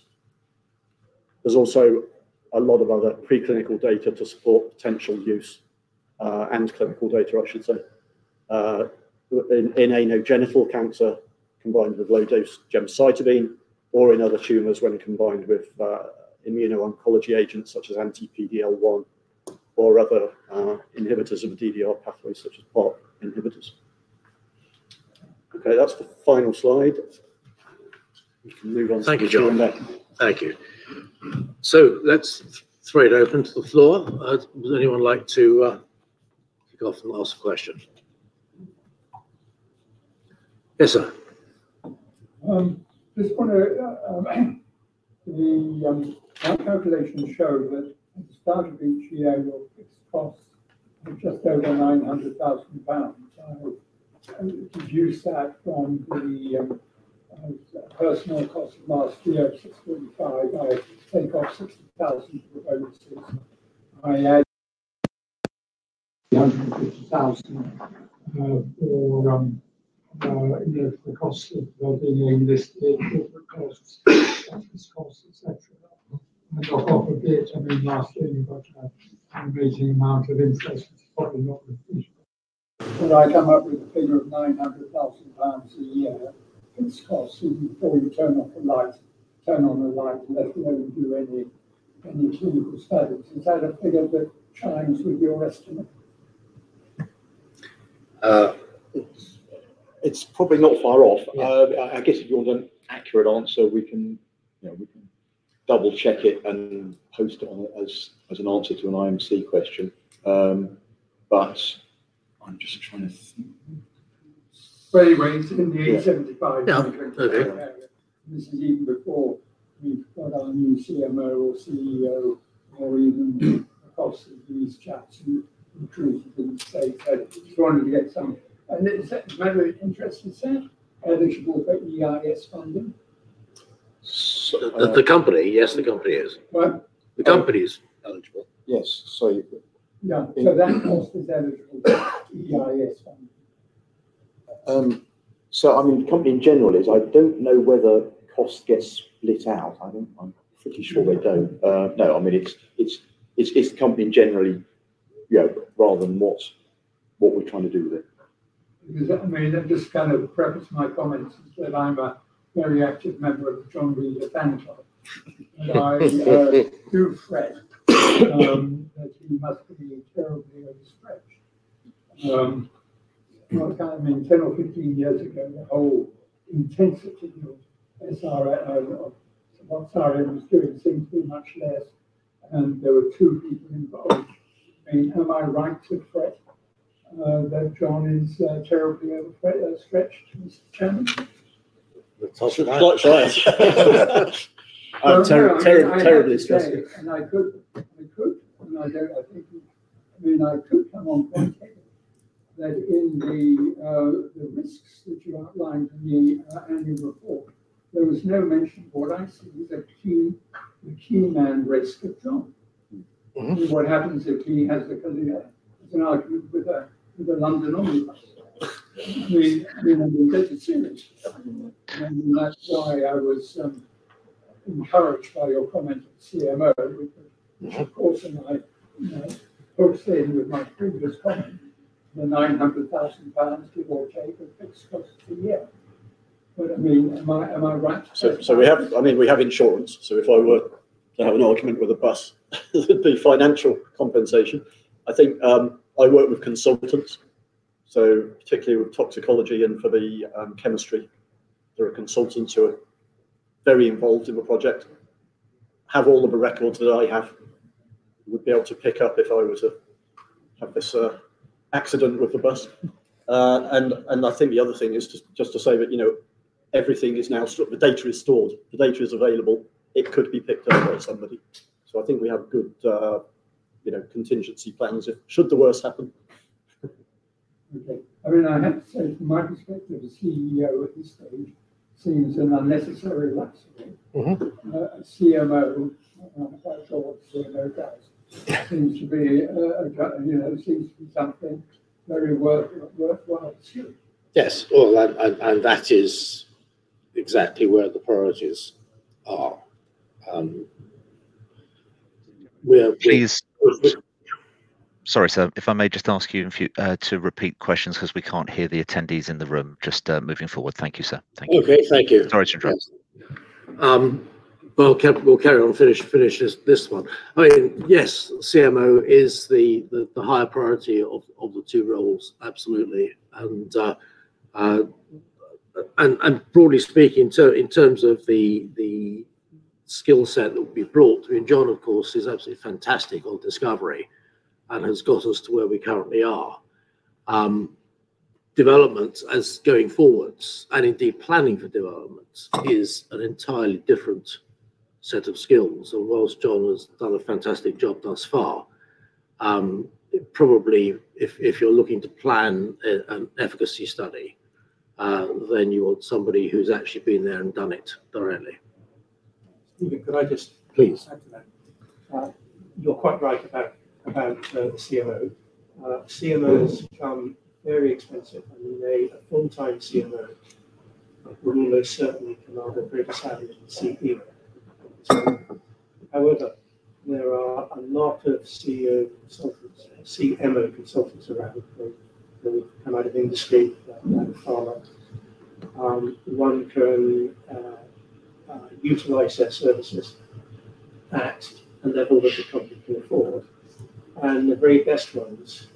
There's also a lot of other preclinical data to support potential use and clinical data, I should say, in anogenital cancer combined with low-dose gemcitabine or in other tumors when combined with immuno-oncology agents such as anti-PD-L1 or other inhibitors of DDR pathways such as PARP inhibitors. Okay, that's the final slide. We can move on to the next one. Thank you, John. Thank you. So let's throw it open to the floor. Would anyone like to kick off and ask a question? Yes, sir. Just want to, the calculations show that at the start of each year, your fixed costs are just over 900,000 pounds. I've deduced that from the personal cost last year, 645,000. I've taken off 60,000 for the bonuses. I add 350,000 for the cost of blood in the English theatre costs, practice costs, etc. Off of it, I mean, last year, you've got an amazing amount of interest, which is probably not repeatable. When I come up with a figure of 900,000 pounds a year, fixed costs, even before you turn on the light and let me know if you do any clinical studies. Is that a figure that chimes with your estimate? It's probably not far off. I guess if you want an accurate answer, we can double-check it and post it as an answer to an IMC question. But I'm just trying to think. Anyway, in the A75, this is even before we've got our new CMO or CEO or even the cost of these chaps recruited in the state head. If you wanted to get some, and is that another interested set? Eligible for EIS funding? The company, yes, the company is eligible. Yes. So yeah. So that cost is eligible for EIS funding. I mean, the company in general is. I don't know whether costs get split out. I'm pretty sure they don't. No, I mean, it's the company in general, rather than what we're trying to do with it. I mean, that just kind of prepped my comments that I'm a very active member of the R&D department. I do fret that he must be terribly overstretched. I mean, 10 or 15 years ago, the whole intensity of what Sareum was doing seemed to be much less, and there were two people involved. I mean, am I right to fret that John is terribly overstretched, Mr. Chairman? Not sure. Terribly stressed. I mean, I could come on point here that in the risks that you outlined in the annual report, there was no mention of what I see as the key man risk of John. What happens if he has a car accident with a London omnibus? I mean, we never get to see him. That's why I was encouraged by your comment on CMO, which of course accords with my previous comment, the 900,000 pounds give or take of fixed costs per year. But I mean, am I right to fret? We have insurance. So if I were to have an accident with a bus, it would be financial compensation. I think we work with consultants, so particularly with toxicology and for the chemistry. There are consultants who are very involved in the project, have all of the records that I have, would be able to pick up if I were to have this accident with the bus. And I think the other thing is just to say that everything is now, the data is stored, the data is available, it could be picked up by somebody. I think we have good contingency plans should the worst happen. Okay. I mean, I have to say, from my perspective, a CEO at this stage seems an unnecessary luxury. A CMO, I'm not quite sure what a CMO does, seems to be something very worthwhile to do. Yes. Well, and that is exactly where the priorities are. Please. Sorry, sir. If I may just ask you to repeat questions because we can't hear the attendees in the room. Just moving forward. Thank you, sir. Okay. Thank you. Sorry to interrupt. We'll carry on, finish this one. I mean, yes, CMO is the higher priority of the two roles, absolutely. And broadly speaking, in terms of the skill set that will be brought, I mean, John, of course, is absolutely fantastic on discovery and has got us to where we currently are. Development as going forwards and indeed planning for development is an entirely different set of skills. And while John has done a fantastic job thus far, probably if you're looking to plan an efficacy study, then you want somebody who's actually been there and done it directly. Stephen, could I just? Please. You're quite right about the CMO. CMOs become very expensive. I mean, a full-time CMO would almost certainly come out of a very salaried CEO. However, there are a lot of CMO consultants around the world who come out of industry like pharma. One can utilize their services at a level that the company can afford, and the very best ones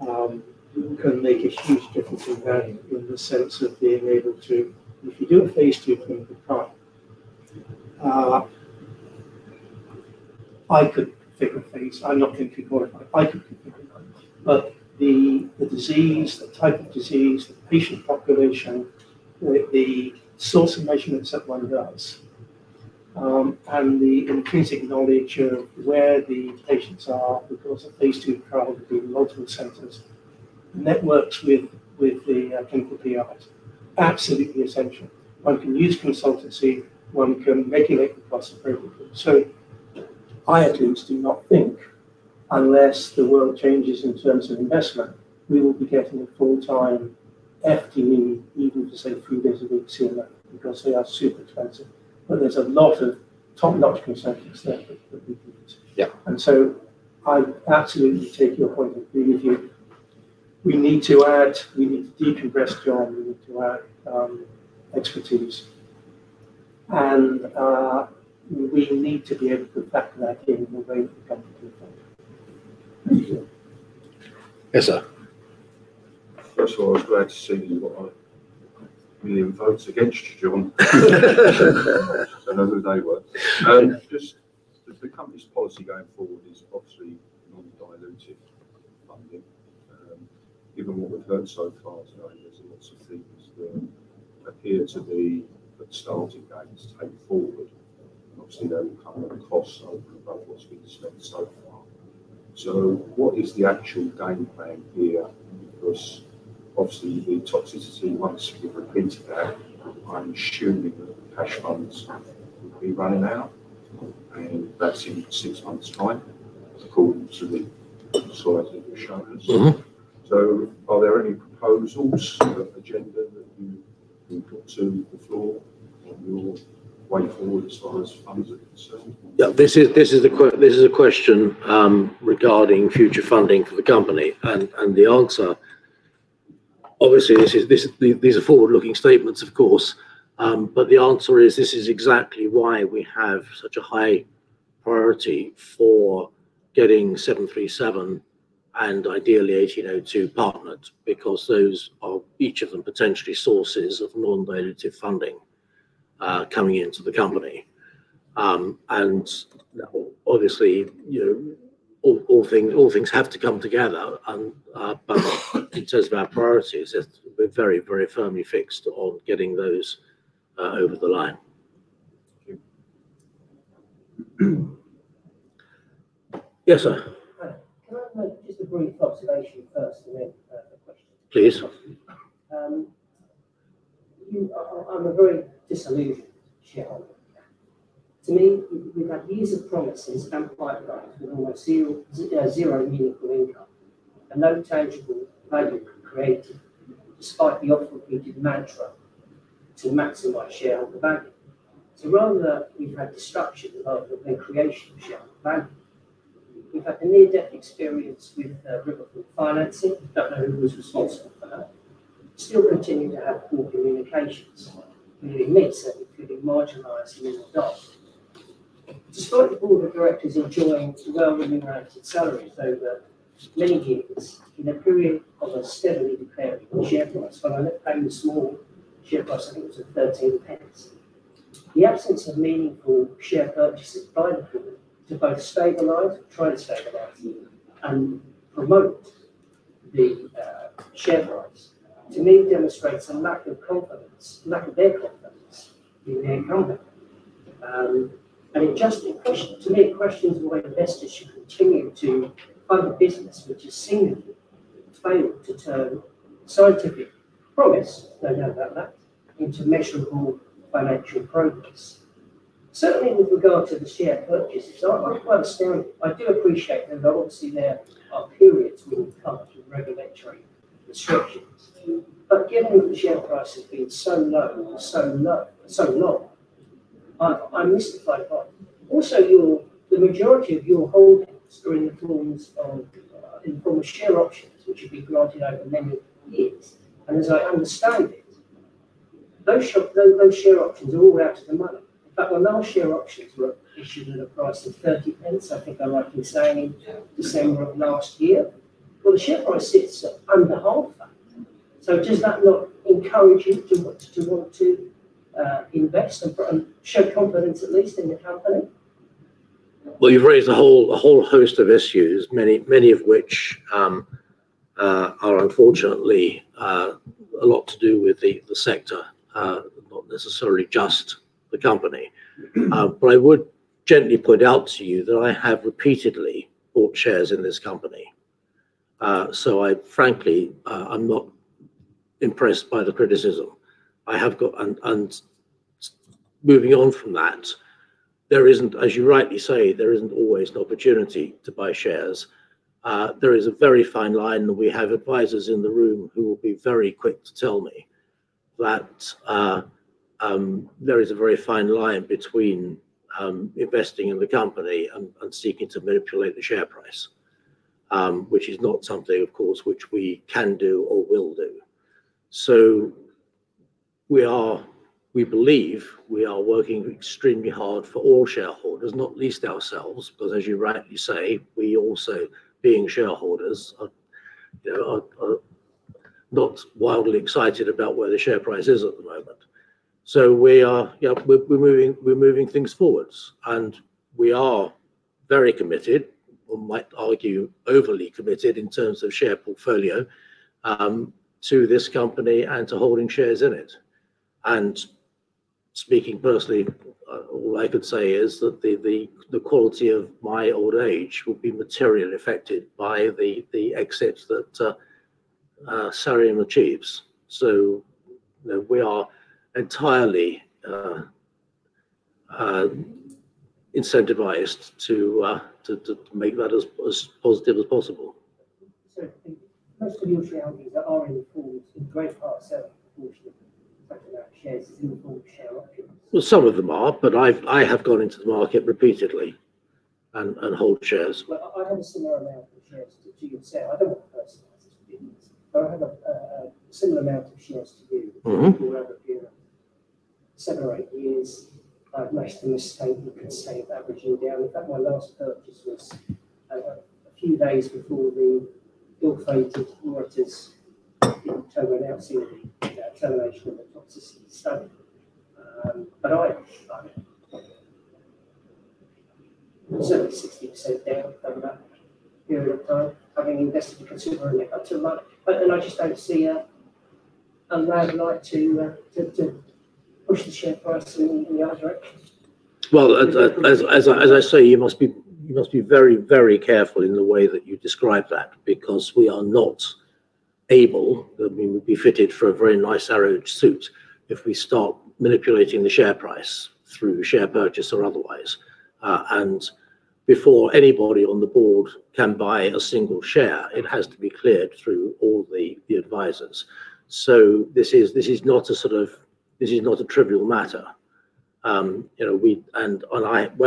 can make a huge difference in value in the sense of being able to, if you do a phase II clinical trial, I could figure things. I'm not going to be qualified. I could figure things. The disease, the type of disease, the patient population, the source of measurements that one does, and the intrinsic knowledge of where the patients are because of phase II trials in multiple centers, networks with the clinical PIs, absolutely essential. One can use consultancy. One can regulate the cost appropriately. So, I at least do not think, unless the world changes in terms of investment, we will be getting a full-time FTE, even to say three days a week CMO, because they are super expensive. But there's a lot of top-notch consultants there that we need. And so I absolutely take your point of being with you. We need to add, we need to decompress, John, we need to add expertise. And we need to be able to factor that in the way that the company can fund. Thank you. Yes, sir. First of all, I was glad to see there were really few votes against you, John. I don't know who they were. And just the company's policy going forward is obviously non-dilutive funding. Given what we've heard so far today, there's lots of things that appear to be at the starting gates to take forward. Obviously, there will come a cost over and above what's been spent so far. What is the actual game plan here? Because obviously, the toxicity, once we've repeated that, I'm assuming that the cash funds will be running out. That's in six months' time, according to the slides that you've shown us. Are there any proposals, agenda that you've brought to the floor on your way forward as far as funds are concerned? Yeah. This is a question regarding future funding for the company. The answer, obviously, these are forward-looking statements, of course. The answer is this is exactly why we have such a high priority for getting 737 and ideally 1802 partners, because those are each of them potentially sources of non-dilutive funding coming into the company. Obviously, all things have to come together. But in terms of our priorities, we're very, very firmly fixed on getting those over the line. Yes, sir. Can I make just a brief observation first and then a question? Please. I'm a very disillusioned shareholder. To me, we've had years of promises and pipelines with almost zero meaningful income and no tangible value created, despite the often repeated mantra to maximize shareholder value. So rather than we've had destruction rather than creation of shareholder value, we've had a near-death experience with RiverFort Financing. I don't know who was responsible for that. Still continue to have poor communications, which admits that we could be marginalized in the middle of DOT. Despite the Board of Directors enjoying well-remunerated salaries over many years in a period of a steadily declining share price, when I looked at paying the small share price, I think it was 0.13, the absence of meaningful share purchases by the board to both stabilize, try to stabilize, and promote the share price, to me, demonstrates a lack of confidence, lack of their confidence in the incumbent. And it just, to me, it questions why investors should continue to fund a business which has seemingly failed to turn scientific promise, no doubt about that, into measurable financial progress. Certainly, with regard to the share purchases, I'm quite astounded. I do appreciate that obviously there are periods when we come to regulatory restrictions. But given that the share price has been so low, so long, I'm mystified by it. Also, the majority of your holdings are in the form of informal share options, which have been granted over many years. And as I understand it, those share options are all out of the money. In fact, when our share options were issued at a price of 0.30, I think I'm right in saying in December of last year, well, the share price sits under half that. So does that not encourage you to want to invest and show confidence, at least, in the company? Well, you've raised a whole host of issues, many of which are unfortunately a lot to do with the sector, not necessarily just the company. But I would gently point out to you that I have repeatedly bought shares in this company. So frankly, I'm not impressed by the criticism. Moving on from that, there isn't, as you rightly say, there isn't always an opportunity to buy shares. There is a very fine line, and we have advisors in the room who will be very quick to tell me that there is a very fine line between investing in the company and seeking to manipulate the share price, which is not something, of course, which we can do or will do. We believe we are working extremely hard for all shareholders, not least ourselves, because as you rightly say, we also, being shareholders, are not wildly excited about where the share price is at the moment. We're moving things forward, and we are very committed, or might argue overly committed in terms of share portfolio, to this company and to holding shares in it. Speaking personally, all I could say is that the quality of my old age will be materially affected by the exits that Sareum achieves. We are entirely incentivized to make that as positive as possible. Most of your shareholders that are in the pools, in the greater part, selling a portion of the shares is in the pool share options. Well, some of them are, but I have gone into the market repeatedly and hold shares. I have a similar amount of shares to you, sir. I don't want to personalize this with you. I have a similar amount of shares to you for over seven or eight years. I've made a mistake and could say I'm averaging down. In fact, my last purchase was a few days before the ill-fated [Moritz] in October announcing the termination of the toxicity study. But I'm certainly 60% down over that period of time, having invested a considerable amount of money. And I just don't see a light to push the share price in the other direction. Well, as I say, you must be very, very careful in the way that you describe that, because we are not able, I mean, we'd be fitted for a very nice orange suit if we start manipulating the share price through share purchase or otherwise. And before anybody on the board can buy a single share, it has to be cleared through all the advisors. So this is not a sort of, this is not a trivial matter. And when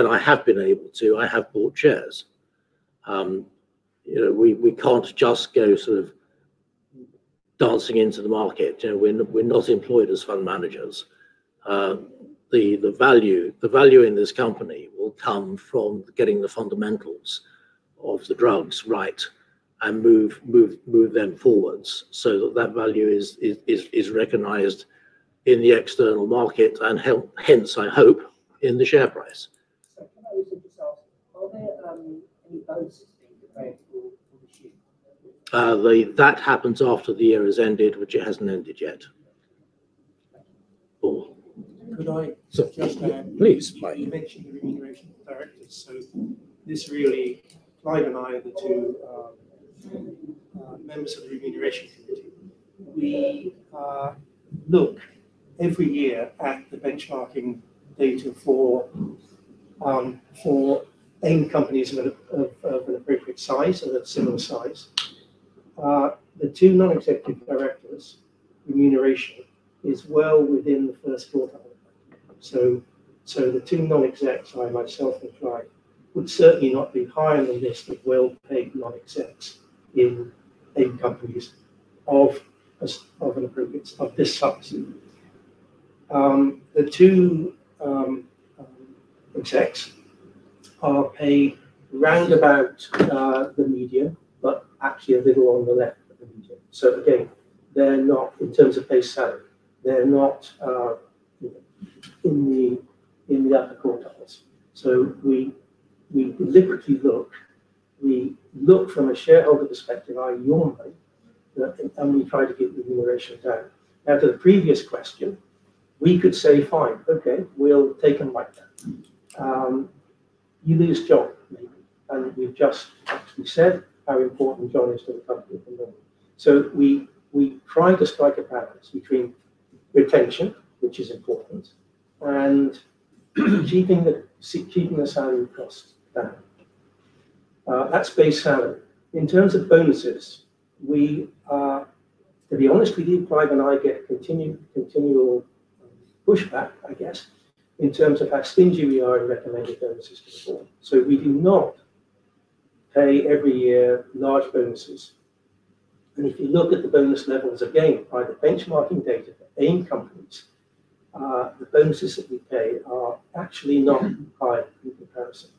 I have been able to, I have bought shares. We can't just go sort of dancing into the market. We're not employed as fund managers. The value in this company will come from getting the fundamentals of the drugs right and move them forward so that that value is recognized in the external market and hence, I hope, in the share price. Can I also just ask, are there any bonuses being prepared for this year? That happens after the year has ended, which it hasn't ended yet. Could I suggest that? Please. You mentioned the remuneration of directors. So this really, Clive and I, the two members of the Remuneration Committee, we look every year at the benchmarking data for AIM companies of an appropriate size or similar size. The two non-executive directors' remuneration is well within the first quartile. So the two non-execs, I, myself, and Clive would certainly not be higher than this with well-paid non-execs in AIM companies of this size. The two execs are paid round about the median, but actually a little on the left of the median, so again they're not in terms of base salary. They're not in the upper quartiles, so we deliberately look, we look from a shareholder perspective, I normally, and we try to get remuneration down. Now, to the previous question, we could say, "Fine, okay, we'll take them like that." You lose John, maybe, and you've just said how important John is to the company, so we try to strike a balance between retention, which is important, and keeping the salary costs down. That's base salary. In terms of bonuses, we are, to be honest with you, Clive and I get continual pushback, I guess, in terms of how stingy we are in recommending bonuses to the board, so we do not pay every year large bonuses. If you look at the bonus levels again, by the benchmarking data for AIM companies, the bonuses that we pay are actually not high in comparison.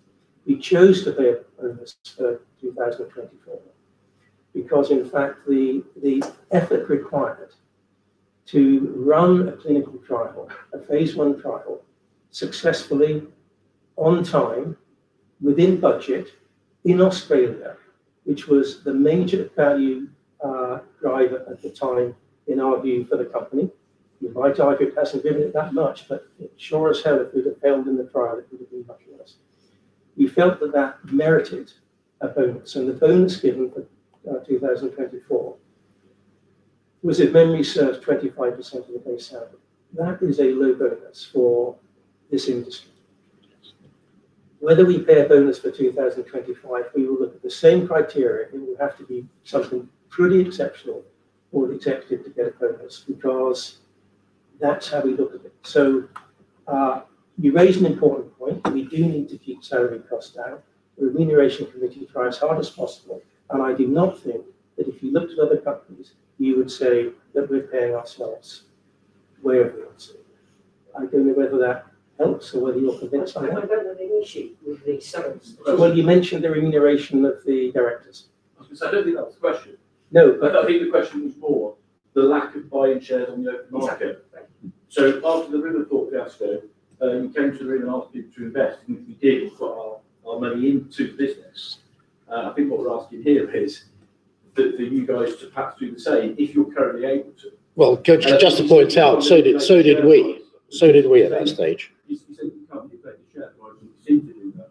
We chose to pay a bonus for 2024 because, in fact, the effort required to run a clinical trial, a phase I trial, successfully, on time, within budget, in Australia, which was the major value driver at the time, in our view, for the company. You might argue it hasn't driven it that much, but sure as hell, if we'd have failed in the trial, it would have been much worse. We felt that that merited a bonus. The bonus given for 2024 was, if memory serves, 25% of the base salary. That is a low bonus for this industry. Whether we pay a bonus for 2025, we will look at the same criteria. It will have to be something truly exceptional for the executive to get a bonus because that's how we look at it. So you raise an important point. We do need to keep salary costs down. The Remuneration Committee tries hard as possible. And I do not think that if you looked at other companies, you would say that we're paying ourselves where we ought to. I don't know whether that helps or whether you're convinced by that. I don't have an issue with the salaries. Well, you mentioned the remuneration of the directors. I don't think that was the question. I think the question was more the lack of buying shares on the open market. So after the RiverFort fiasco, you came to the room and asked people to invest, which we did, we put our money into the business. I think what we're asking here is for you guys to perhaps do the same if you're currently able to. Well, just to point out, so did we. So did we at that stage. You said the company affected share prices. You seem to do that.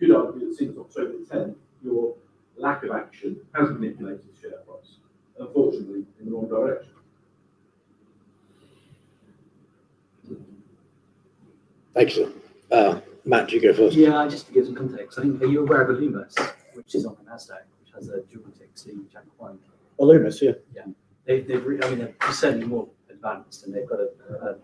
You could argue that since October 10, your lack of action has manipulated share price, unfortunately, in the wrong direction. Thank you. Matt, do you go first? Yeah, just to give some context. Are you aware of Alumis, which is on the Nasdaq, which has a dual TYK2/JAK1? Alumis, yeah. Yeah. I mean, they're certainly more advanced and they've got a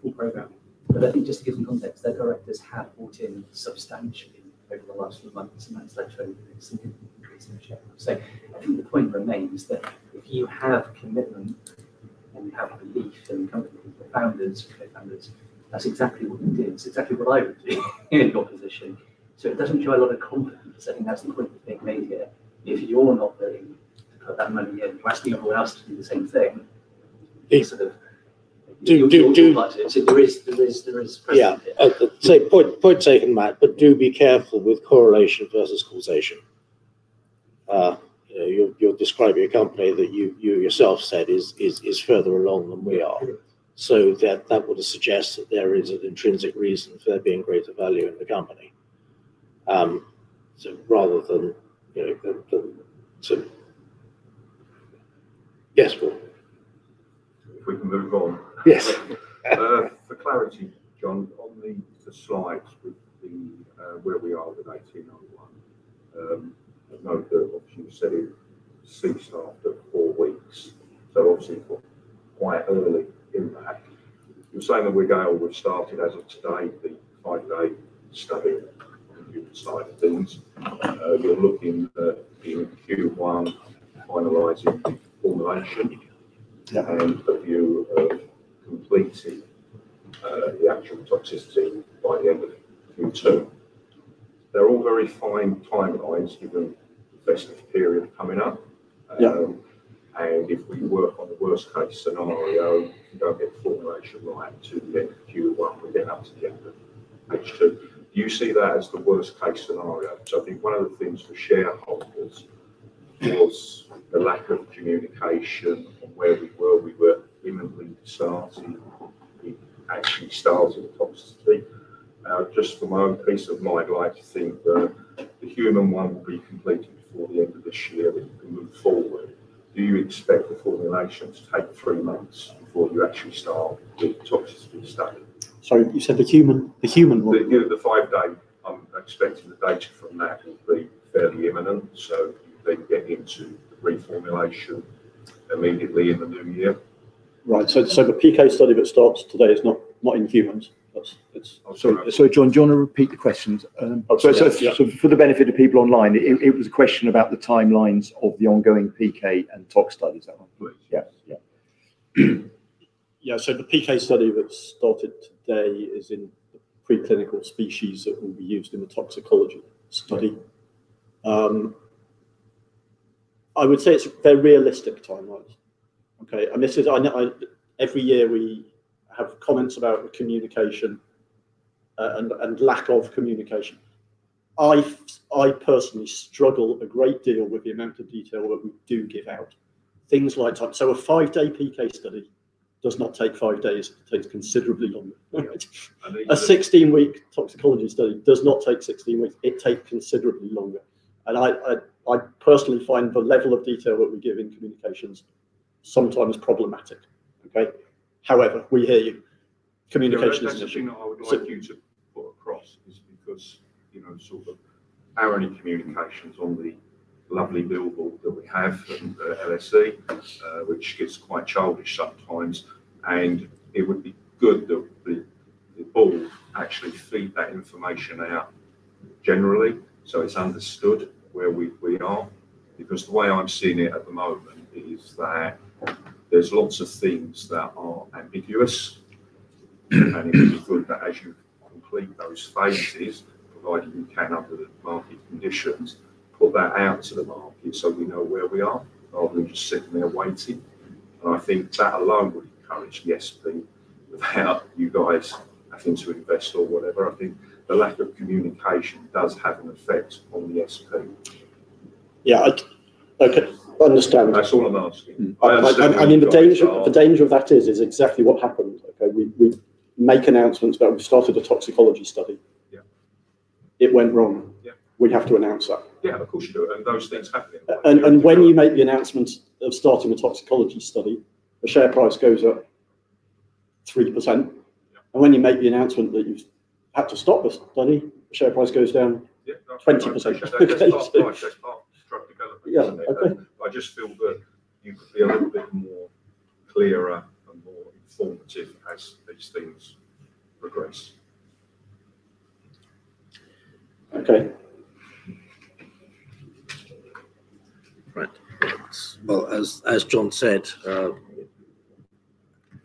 full program. But I think just to give some context, their directors have bought in substantially over the last few months, and that's led to an increase in share price. I think the point remains that if you have commitment and you have belief in the company, the founders, the co-founders, that's exactly what they did. It's exactly what I would do in your position. So, it doesn't show a lot of confidence. I think that's the point that's being made here. If you're not willing to put that money in, you're asking everyone else to do the same thing. Do you? So, there is pressure here. Yeah. So, point taken, Matt, but do be careful with correlation versus causation. You're describing a company that you yourself said is further along than we are. So, that would suggest that there is an intrinsic reason for there being greater value in the company. So, rather than to yes, Paul. If we can move on. Yes. For clarity, John, on the slides with the where we are with SDC-1801, I know that, obviously, you said it ceased after four weeks. So obviously, quite early impact. You're saying that we're going to start it as of today, the five-day study on the human side of things. You're looking at Q1 finalising the formulation and a view of completing the actual toxicity by the end of Q2. They're all very fine timelines, given the festive period coming up. And if we work on the worst-case scenario, we don't get formulation right to Q1, we get up to the end of H2. Do you see that as the worst-case scenario? So I think one of the things for shareholders was the lack of communication on where we were. We were imminently starting, actually starting toxicity. Just from my own peace of mind, I'd like to think that the human one will be completed before the end of this year and we can move forward. Do you expect the formulation to take three months before you actually start with the toxicity study? Sorry, you said the human one? The five-day, I'm expecting the data from that will be fairly imminent. So you then get into the reformulation immediately in the new year. Right. The PK study that starts today is not in humans? I'm sorry. So John, do you want to repeat the question? So for the benefit of people online, it was a question about the timelines of the ongoing PK and tox studies. Is that right? Yes. So the PK study that started today is in the preclinical species that will be used in the toxicology study. I would say it's a very realistic timeline. Okay. And every year we have comments about the communication and lack of communication. I personally struggle a great deal with the amount of detail that we do give out. Things like time. So a five-day PK study does not take five days. It takes considerably longer. A 16-week toxicology study does not take 16 weeks. It takes considerably longer. And I personally find the level of detail that we give in communications sometimes problematic. Okay? However, we hear you. Communication is an issue-- I would argue to put across is because sort of our only communications on the lovely billboard that we have at LSE, which gets quite childish sometimes. And it would be good that the board actually feed that information out generally so it's understood where we are. Because the way I'm seeing it at the moment is that there's lots of things that are ambiguous, and it would be good that as you complete those phases, provided you can under the market conditions, put that out to the market so we know where we are rather than just sitting there waiting, and I think that alone would encourage the SP without you guys, I think, to invest or whatever. I think the lack of communication does have an effect on the SP. Yeah. I can understand. That's all I'm asking-- And the danger of that is exactly what happens. We make announcements about we've started a toxicology study. It went wrong. We have to announce that. Yeah, of course you do, and those things happen-- When you make the announcement of starting the toxicology study, the share price goes up 3%. And when you make the announcement that you've had to stop the study, the share price goes down 20%. Yeah. I just feel that you could be a little bit more clearer and more informative as these things progress. Okay. Right. Well, as John said,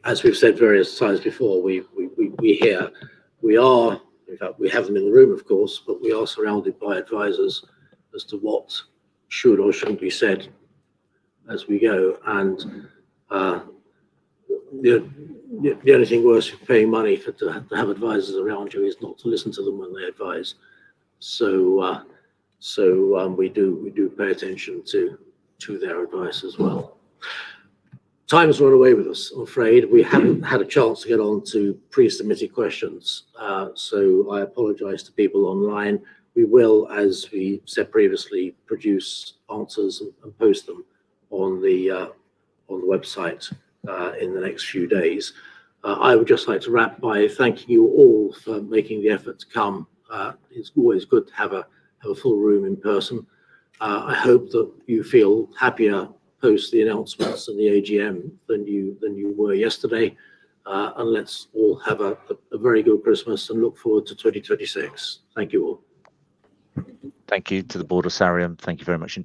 as we've said various times before, we hear. We are, in fact, we have them in the room, of course, but we are surrounded by advisors as to what should or shouldn't be said as we go. And the only thing worse with paying money to have advisors around you is not to listen to them when they advise. We do pay attention to their advice as well. Time has run away with us, I'm afraid. We haven't had a chance to get on to pre-submitted questions. I apologize to people online. We will, as we said previously, produce answers and post them on the website in the next few days. I would just like to wrap by thanking you all for making the effort to come. It's always good to have a full room in person. I hope that you feel happier post the announcements and the AGM than you were yesterday. And let's all have a very good Christmas and look forward to 2026. Thank you all. Thank you to the Board of Sareum. Thank you very much.